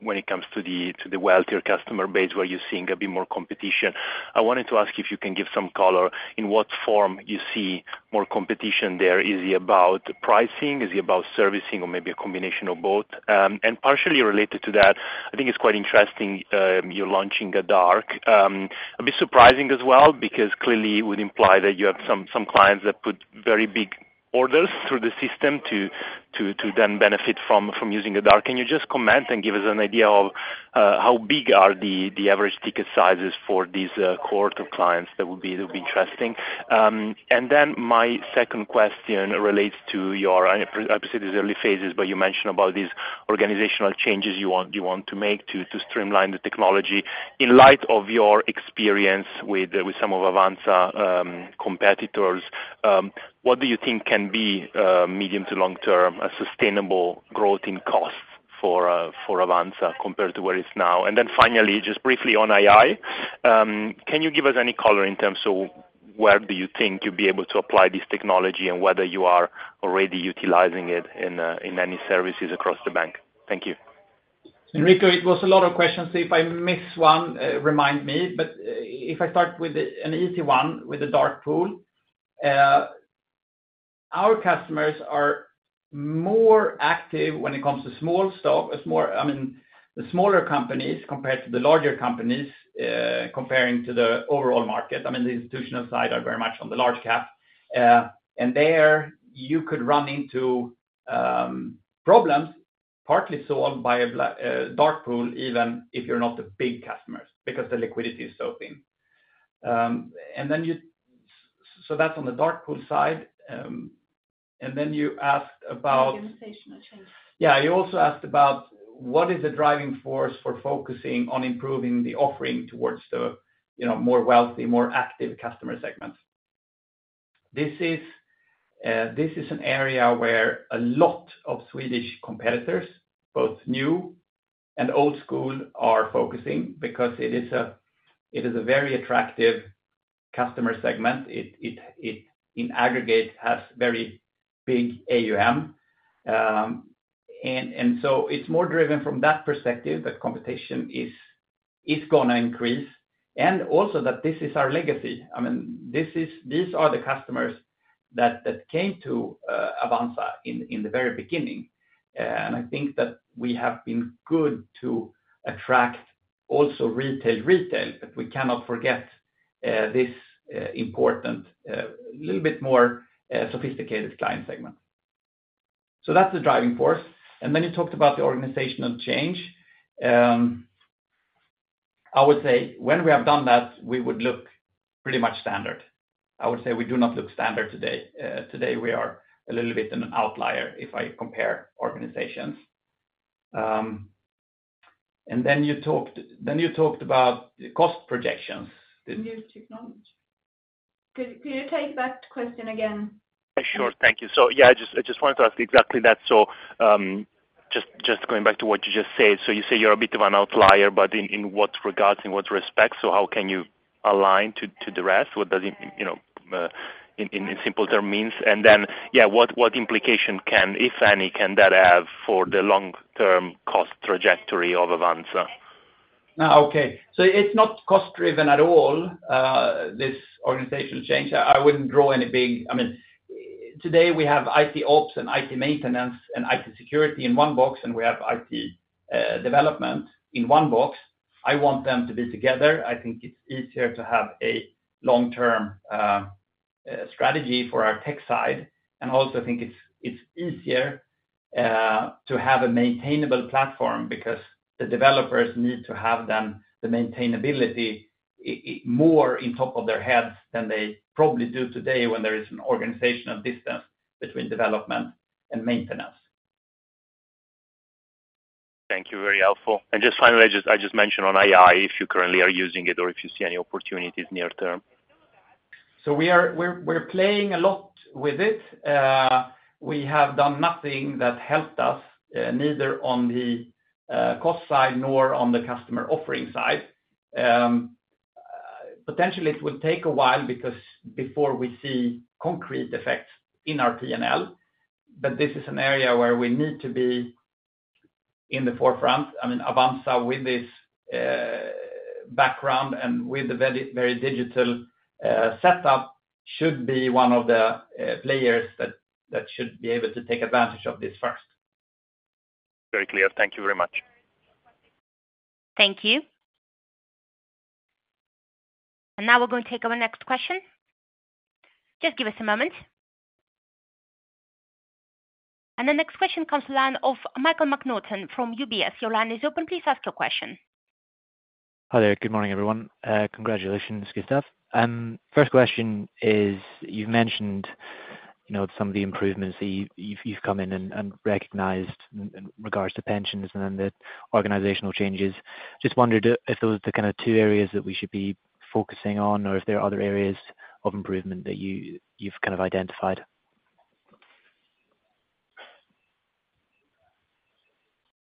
when it comes to the wealthier customer base, where you're seeing a bit more competition. I wanted to ask if you can give some color, in what form you see more competition there? Is it about pricing, is it about servicing, or maybe a combination of both? And partially related to that, I think it's quite interesting, you're launching a dark pool. A bit surprising as well, because clearly it would imply that you have some clients that put very big orders through the system to then benefit from using a dark pool. Can you just comment and give us an idea of how big the average ticket sizes are for these cohort of clients? That would be interesting. And then my second question relates to your, obviously, it's early phases, but you mentioned about these organizational changes you want to make to streamline the technology. In light of your experience with some of Avanza competitors, what do you think can be medium- to long-term a sustainable growth in costs for Avanza compared to where it is now? And then finally, just briefly on AI, can you give us any color in terms of where you think you'll be able to apply this technology and whether you are already utilizing it in any services across the bank? Thank you. Enrico, it was a lot of questions. If I miss one, remind me, but if I start with an easy one, with the dark pool. Our customers are more active when it comes to small stock. I mean, the smaller companies compared to the larger companies, comparing to the overall market. I mean, the institutional side are very much on the large cap. And there, you could run into problems, partly solved by a dark pool, even if you're not the big customers, because the liquidity is so thin. And then you—so that's on the dark pool side. And then you asked about— Organizational changes. Yeah, you also asked about what is the driving force for focusing on improving the offering towards the, you know, more wealthy, more active customer segments? This is an area where a lot of Swedish competitors, both new and old school, are focusing, because it is a very attractive customer segment. It, in aggregate, has very big AUM. And so it's more driven from that perspective, that competition is gonna increase, and also that this is our legacy. I mean, this is, these are the customers that came to Avanza in the very beginning. And I think that we have been good to attract also retail, but we cannot forget this important little bit more sophisticated client segment. So that's the driving force. And then you talked about the organizational change. I would say, when we have done that, we would look pretty much standard. I would say we do not look standard today. Today, we are a little bit an outlier, if I compare organizations. And then you talked, then you talked about the cost projections. New technology. Could you take that question again? Sure. Thank you. So, yeah, I just, I just wanted to ask exactly that. So, just, just going back to what you just said, so you say you're a bit of an outlier, but in, in what regards, in what respects? So how can you align to, to the rest? What does it, you know, in, in simple terms means? And then, yeah, what, what implication can, if any, can that have for the long-term cost trajectory of Avanza? Ah, okay. So it's not cost driven at all, this organizational change. I wouldn't draw any big—I mean, today, we have IT ops and IT maintenance and IT security in one box, and we have IT development in one box. I want them to be together. I think it's easier to have a long-term strategy for our tech side, and also think it's easier to have a maintainable platform, because the developers need to have them, the maintainability, more on top of their heads than they probably do today when there is an organizational distance between development and maintenance. Thank you. Very helpful. And just finally, I just, I just mentioned on AI, if you currently are using it or if you see any opportunities near term? So we're playing a lot with it. We have done nothing that helped us, neither on the cost side nor on the customer offering side. Potentially, it will take a while, because before we see concrete effects in our P&L, but this is an area where we need to be in the forefront. I mean, Avanza, with this background and with the very, very digital setup, should be one of the players that should be able to take advantage of this first. Very clear. Thank you very much. Thank you. Now we're going to take our next question. Just give us a moment. The next question comes to the line of Michael Macnaughton from UBS. Your line is open. Please ask your question. Hi there. Good morning, everyone. Congratulations, Gustaf. First question is, you've mentioned, you know, some of the improvements that you've come in and recognized in regards to pensions and then the organizational changes. Just wondered if those are the kind of two areas that we should be focusing on, or if there are other areas of improvement that you've kind of identified.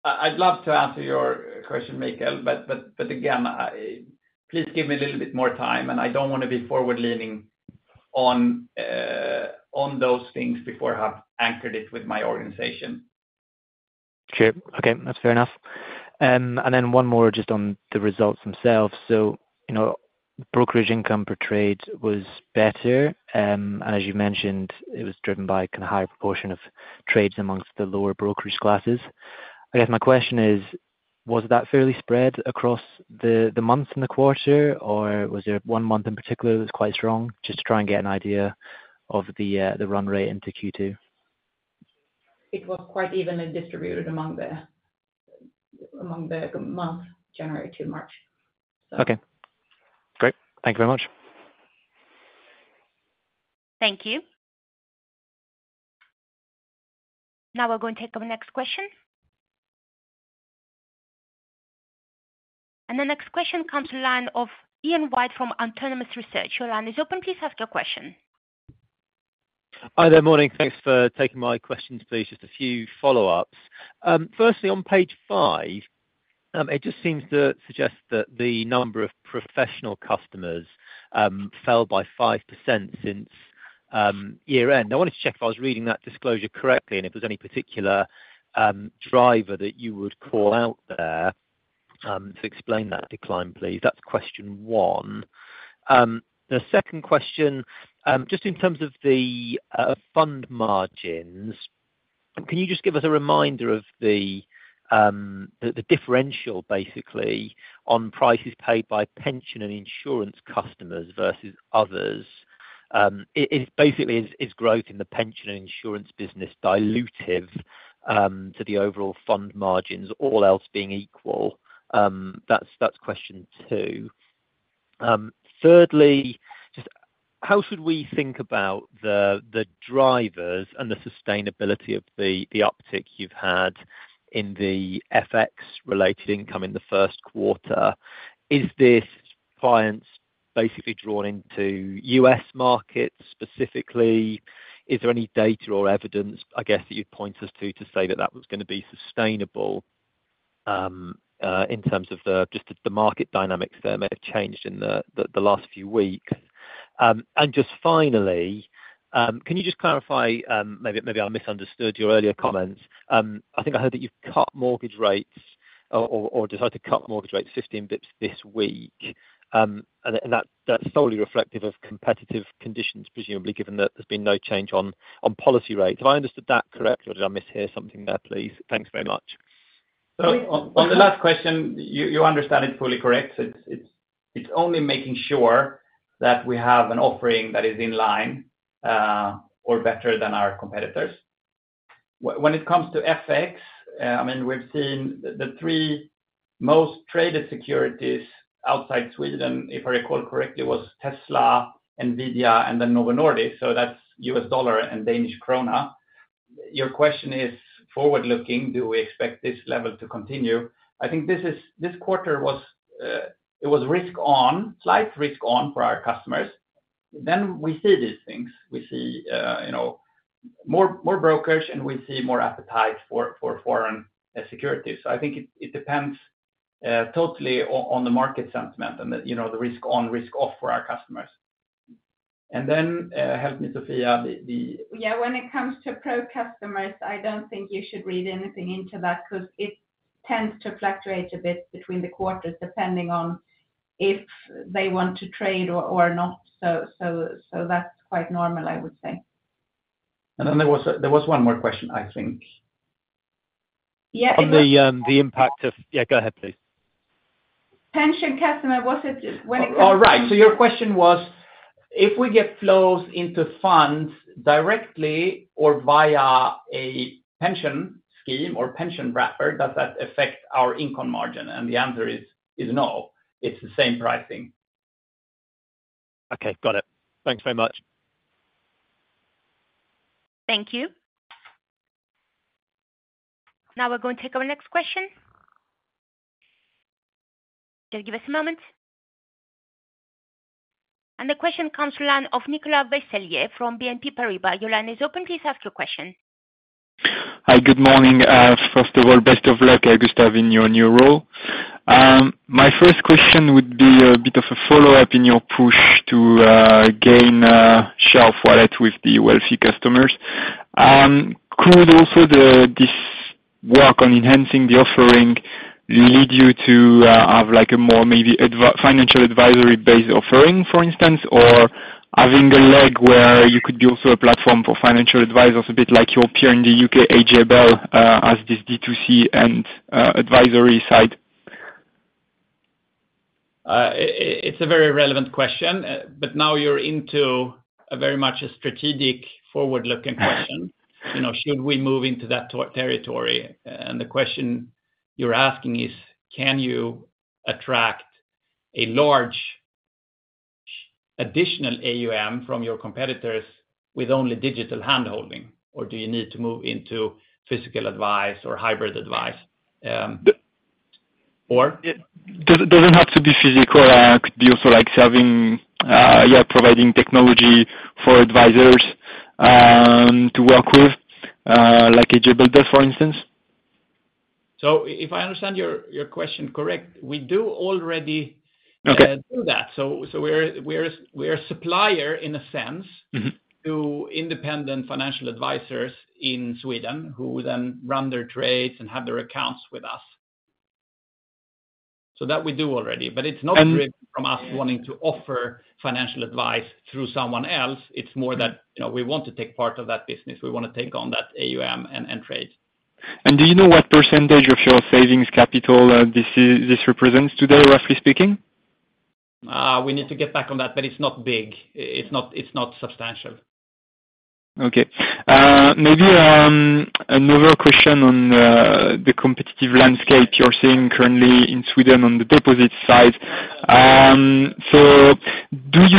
I'd love to answer your question, Michael, but again, please give me a little bit more time, and I don't want to be forward-leaning on those things before I have anchored it with my organization. Sure. Okay, that's fair enough. And then one more just on the results themselves. So, you know, brokerage income per trade was better, as you mentioned, it was driven by kind of higher proportion of trades among the lower brokerage classes. I guess my question is: Was that fairly spread across the months in the quarter, or was there one month in particular that was quite strong? Just to try and get an idea of the run rate into Q2? It was quite evenly distributed among the months, January to March. Okay, great. Thank you very much. Thank you. Now we're going to take our next question. The next question comes to the line of Ian White from Autonomous Research. Your line is open. Please ask your question. Hi there, morning. Thanks for taking my questions, please. Just a few follow-ups. Firstly, on page 5, it just seems to suggest that the number of professional customers fell by 5% since year-end. I wanted to check if I was reading that disclosure correctly, and if there's any particular driver that you would call out there to explain that decline, please. That's question one. The second question, just in terms of the fund margins, can you just give us a reminder of the differential, basically, on prices paid by pension and insurance customers versus others? It basically is growth in the pension and insurance business dilutive to the overall fund margins, all else being equal? That's question two. Thirdly, just how should we think about the drivers and the sustainability of the uptick you've had in the FX related income in the first quarter? Is this clients basically drawing to US markets specifically? Is there any data or evidence, I guess, that you'd point us to, to say that that was gonna be sustainable in terms of the just the market dynamics that may have changed in the last few weeks? And just finally, can you just clarify, maybe, maybe I misunderstood your earlier comments. I think I heard that you've cut mortgage rates or decided to cut mortgage rates 15 basis points this week, and that, and that's solely reflective of competitive conditions, presumably, given that there's been no change on policy rates. Have I understood that correctly, or did I mishear something there, please? Thanks very much. So, on the last question, you understand it fully correct. It's only making sure that we have an offering that is in line or better than our competitors. When it comes to FX, I mean, we've seen the three most traded securities outside Sweden, if I recall correctly, was Tesla, NVIDIA, and then Novo Nordisk, so that's U.S. dollar and Danish krone. Your question is forward-looking: Do we expect this level to continue? I think this is this quarter was, it was risk on, slight risk on for our customers. Then we see these things. We see, you know, more brokers, and we see more appetite for foreign securities. So I think it depends totally on the market sentiment and the, you know, the risk on, risk off for our customers. And then, help me, Sofia. Yeah, when it comes to Pro customers, I don't think you should read anything into that, 'cause it tends to fluctuate a bit between the quarters, depending on if they want to trade or, or not. So, so, so that's quite normal, I would say. And then there was one more question, I think. Yeah, it was— On the impact of—yeah, go ahead, please. Pension customer, was it? When it comes to— Oh, right. So your question was, if we get flows into funds directly or via a pension scheme or pension wrapper, does that affect our income margin? And the answer is no, it's the same pricing. Okay, got it. Thanks very much. Thank you. Now we're going to take our next question. Just give us a moment. The question comes from the line of Nicolas Vaysselier from BNP Paribas. Your line is open, please ask your question. Hi, good morning. First of all, best of luck, Gustaf, in your new role. My first question would be a bit of a follow-up in your push to gain share of wallet with the wealthy customers. Could also the this work on enhancing the offering lead you to have, like, a more maybe financial advisory-based offering, for instance? Or having a leg where you could be also a platform for financial advisors, a bit like your peer in the U.K., AJ Bell, as this D2C and advisory side? It's a very relevant question, but now you're into a very much a strategic forward-looking question. You know, should we move into that territory? And the question you're asking is, can you attract a large additional AUM from your competitors with only digital handholding, or do you need to move into physical advice or hybrid advice? Or— It doesn't have to be physical, could be also like serving, providing technology for advisors to work with, like AJ Bell, for instance? If I understand your question correct, we do already— Okay Do that. So, we're suppliers in a sense to independent financial advisors in Sweden, who then run their trades and have their accounts with us. So that we do already, but it's not from us wanting to offer financial advice through someone else. It's more that, you know, we want to take part of that business. We wanna take on that AUM and trade. Do you know what percentage of your savings capital, this is, this represents today, roughly speaking? We need to get back on that, but it's not big. It's not, it's not substantial. Okay. Maybe another question on the competitive landscape you're seeing currently in Sweden on the deposit side. So do you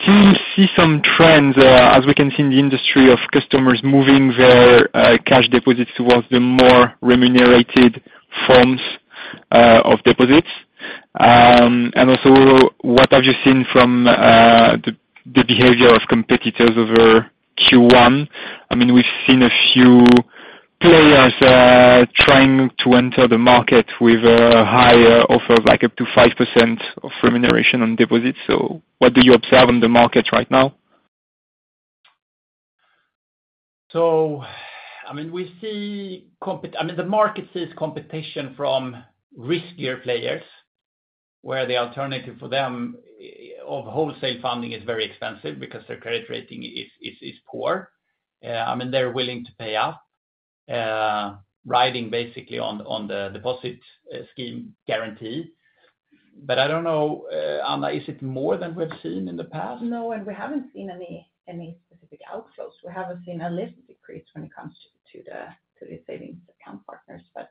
still see some trends, as we can see in the industry, of customers moving their cash deposits towards the more remunerated forms of deposits? And also, what have you seen from the behavior of competitors over Q1? I mean, we've seen a few players trying to enter the market with a higher offer, like up to 5% of remuneration on deposits. So what do you observe on the market right now? So, I mean, the market sees competition from riskier players, where the alternative for them of wholesale funding is very expensive because their credit rating is poor. I mean, they're willing to pay up, riding basically on the deposit scheme guarantee. But I don't know, Anna, is it more than we've seen in the past? No, and we haven't seen any specific outflows. We haven't seen a list decrease when it comes to the savings account partners, but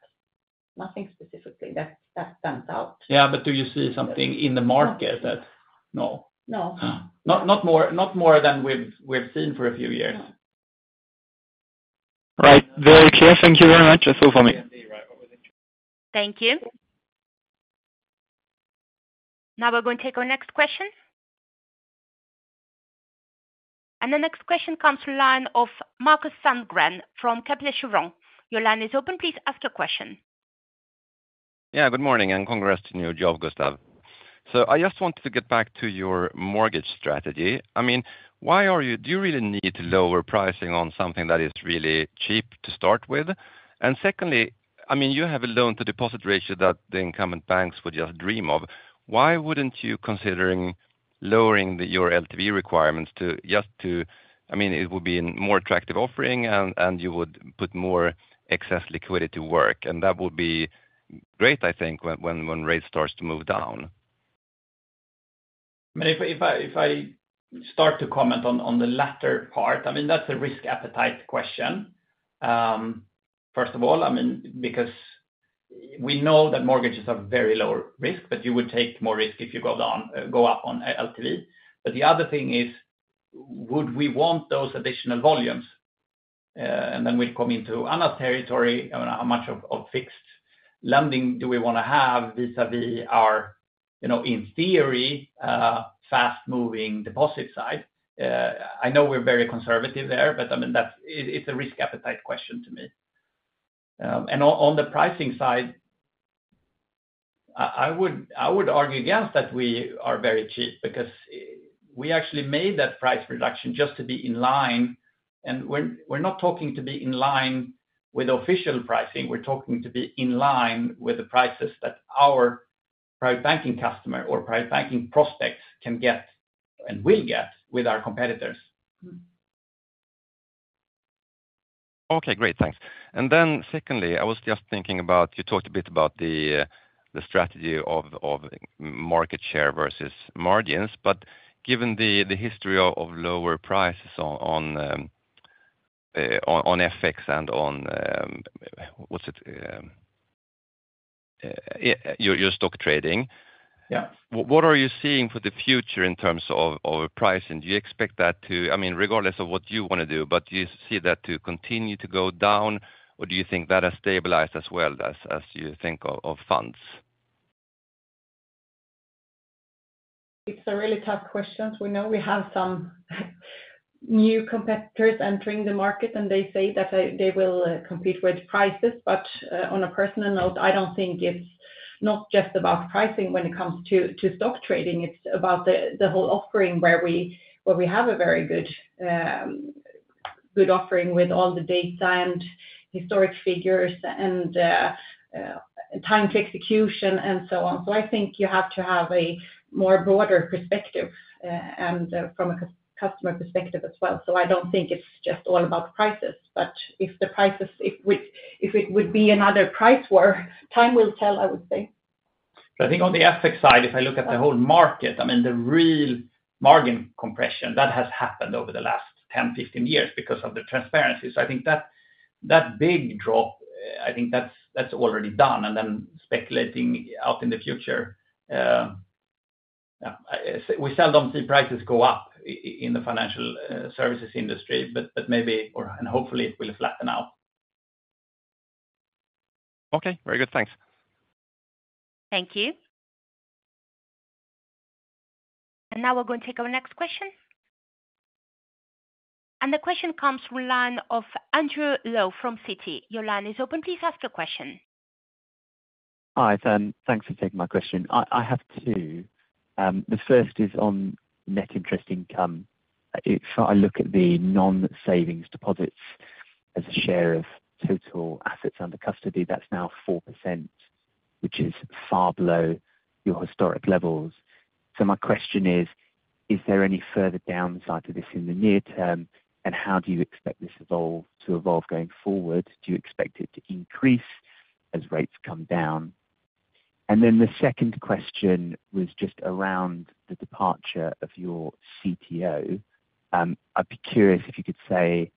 nothing specifically that stands out. Yeah, but do you see something in the market that— No. No. Not more than we've seen for a few years. Right. Very clear. Thank you very much. That's all for me. Thank you. Now we're going to take our next question. The next question comes from line of Markus Sandgren from Kepler Cheuvreux. Your line is open. Please ask your question. Yeah, good morning, and congrats to your new job, Gustaf. So I just wanted to get back to your mortgage strategy. I mean, why are you—do you really need lower pricing on something that is really cheap to start with? And secondly, I mean, you have a loan to deposit ratio that the incumbent banks would just dream of. Why wouldn't you considering lowering the, your LTV requirements to just to—I mean, it would be a more attractive offering, and, and you would put more excess liquidity to work, and that would be great, I think, when, when, when rates starts to move down. But if I start to comment on the latter part, I mean, that's a risk appetite question. First of all, I mean, because we know that mortgages are very low risk, but you would take more risk if you go down, go up on LTV. But the other thing is, would we want those additional volumes? And then we'll come into another territory. I mean, how much of fixed lending do we wanna have vis-à-vis our, you know, in theory, fast-moving deposit side? I know we're very conservative there, but, I mean, that's it, it's a risk appetite question to me. And on the pricing side, I would argue against that we are very cheap because we actually made that price reduction just to be in line. We're not talking to be in line with official pricing; we're talking to be in line with the prices that our private banking customer or private banking prospects can get and will get with our competitors. Okay, great. Thanks. Then secondly, I was just thinking about—you talked a bit about the strategy of market share versus margins, but given the history of lower prices on FX and on, what's it? your stock trading. Yeah. What are you seeing for the future in terms of pricing? Do you expect that to—I mean, regardless of what you wanna do, but do you see that to continue to go down, or do you think that has stabilized as well as you think of funds? It's a really tough question. We know we have some new competitors entering the market, and they say that they will compete with prices. But on a personal note, I don't think it's not just about pricing when it comes to stock trading, it's about the whole offering where we have a very good good offering with all the data and historic figures and time to execution and so on. So I think you have to have a more broader perspective and from a customer perspective as well. So I don't think it's just all about prices, but if the prices, if we-- if it would be another price war, time will tell, I would say. So I think on the FX side, if I look at the whole market, I mean, the real margin compression that has happened over the last 10, 15 years because of the transparency. So I think that, that big drop, I think that's, that's already done. And then speculating out in the future, we seldom see prices go up in the financial services industry, but, but maybe or, and hopefully it will flatten out. Okay, very good. Thanks. Thank you. Now we're going to take our next question. The question comes from the line of Andrew Lowe from Citi. Your line is open. Please ask your question. Hi, thanks for taking my question. I have two. The first is on net interest income. If I look at the non-savings deposits as a share of total assets under custody, that's now 4%, which is far below your historic levels. So my question is: Is there any further downside to this in the near term? And how do you expect this to evolve going forward? Do you expect it to increase as rates come down? And then the second question was just around the departure of your CTO. I'd be curious if you could say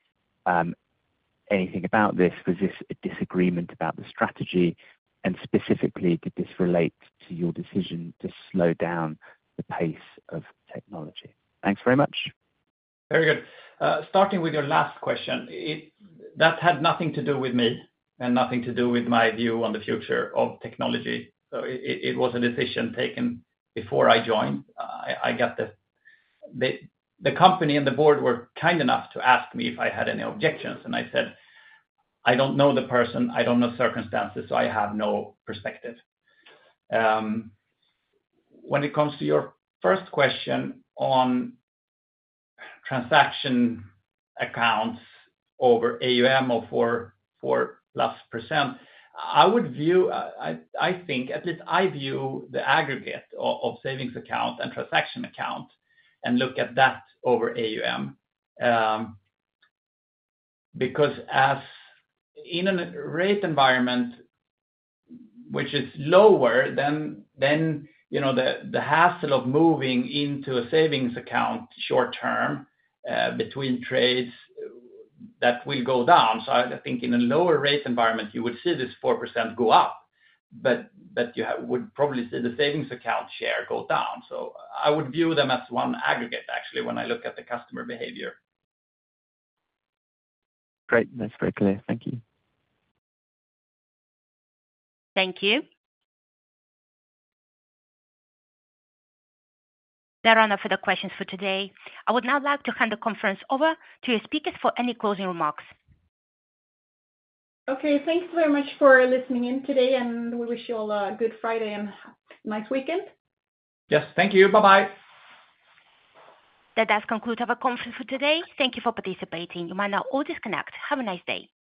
anything about this. Was this a disagreement about the strategy? And specifically, could this relate to your decision to slow down the pace of technology? Thanks very much. Very good. Starting with your last question, it. That had nothing to do with me and nothing to do with my view on the future of technology. So it was a decision taken before I joined. I got the company and the board were kind enough to ask me if I had any objections, and I said: "I don't know the person. I don't know circumstances, so I have no perspective." When it comes to your first question on transaction accounts over AUM of 4.4%+, I would view. I think, at least I view the aggregate of savings account and transaction account and look at that over AUM. Because as in a rate environment which is lower, you know, the hassle of moving into a savings account short term between trades, that will go down. So I think in a lower rate environment, you would see this 4% go up, but you would probably see the savings account share go down. So I would view them as one aggregate, actually, when I look at the customer behavior. Great. That's very clear. Thank you. Thank you. There are no further questions for today. I would now like to hand the conference over to your speakers for any closing remarks. Okay, thanks very much for listening in today, and we wish you all a good Friday and nice weekend. Yes, thank you. Bye-bye. That does conclude our conference for today. Thank you for participating. You may now all disconnect. Have a nice day.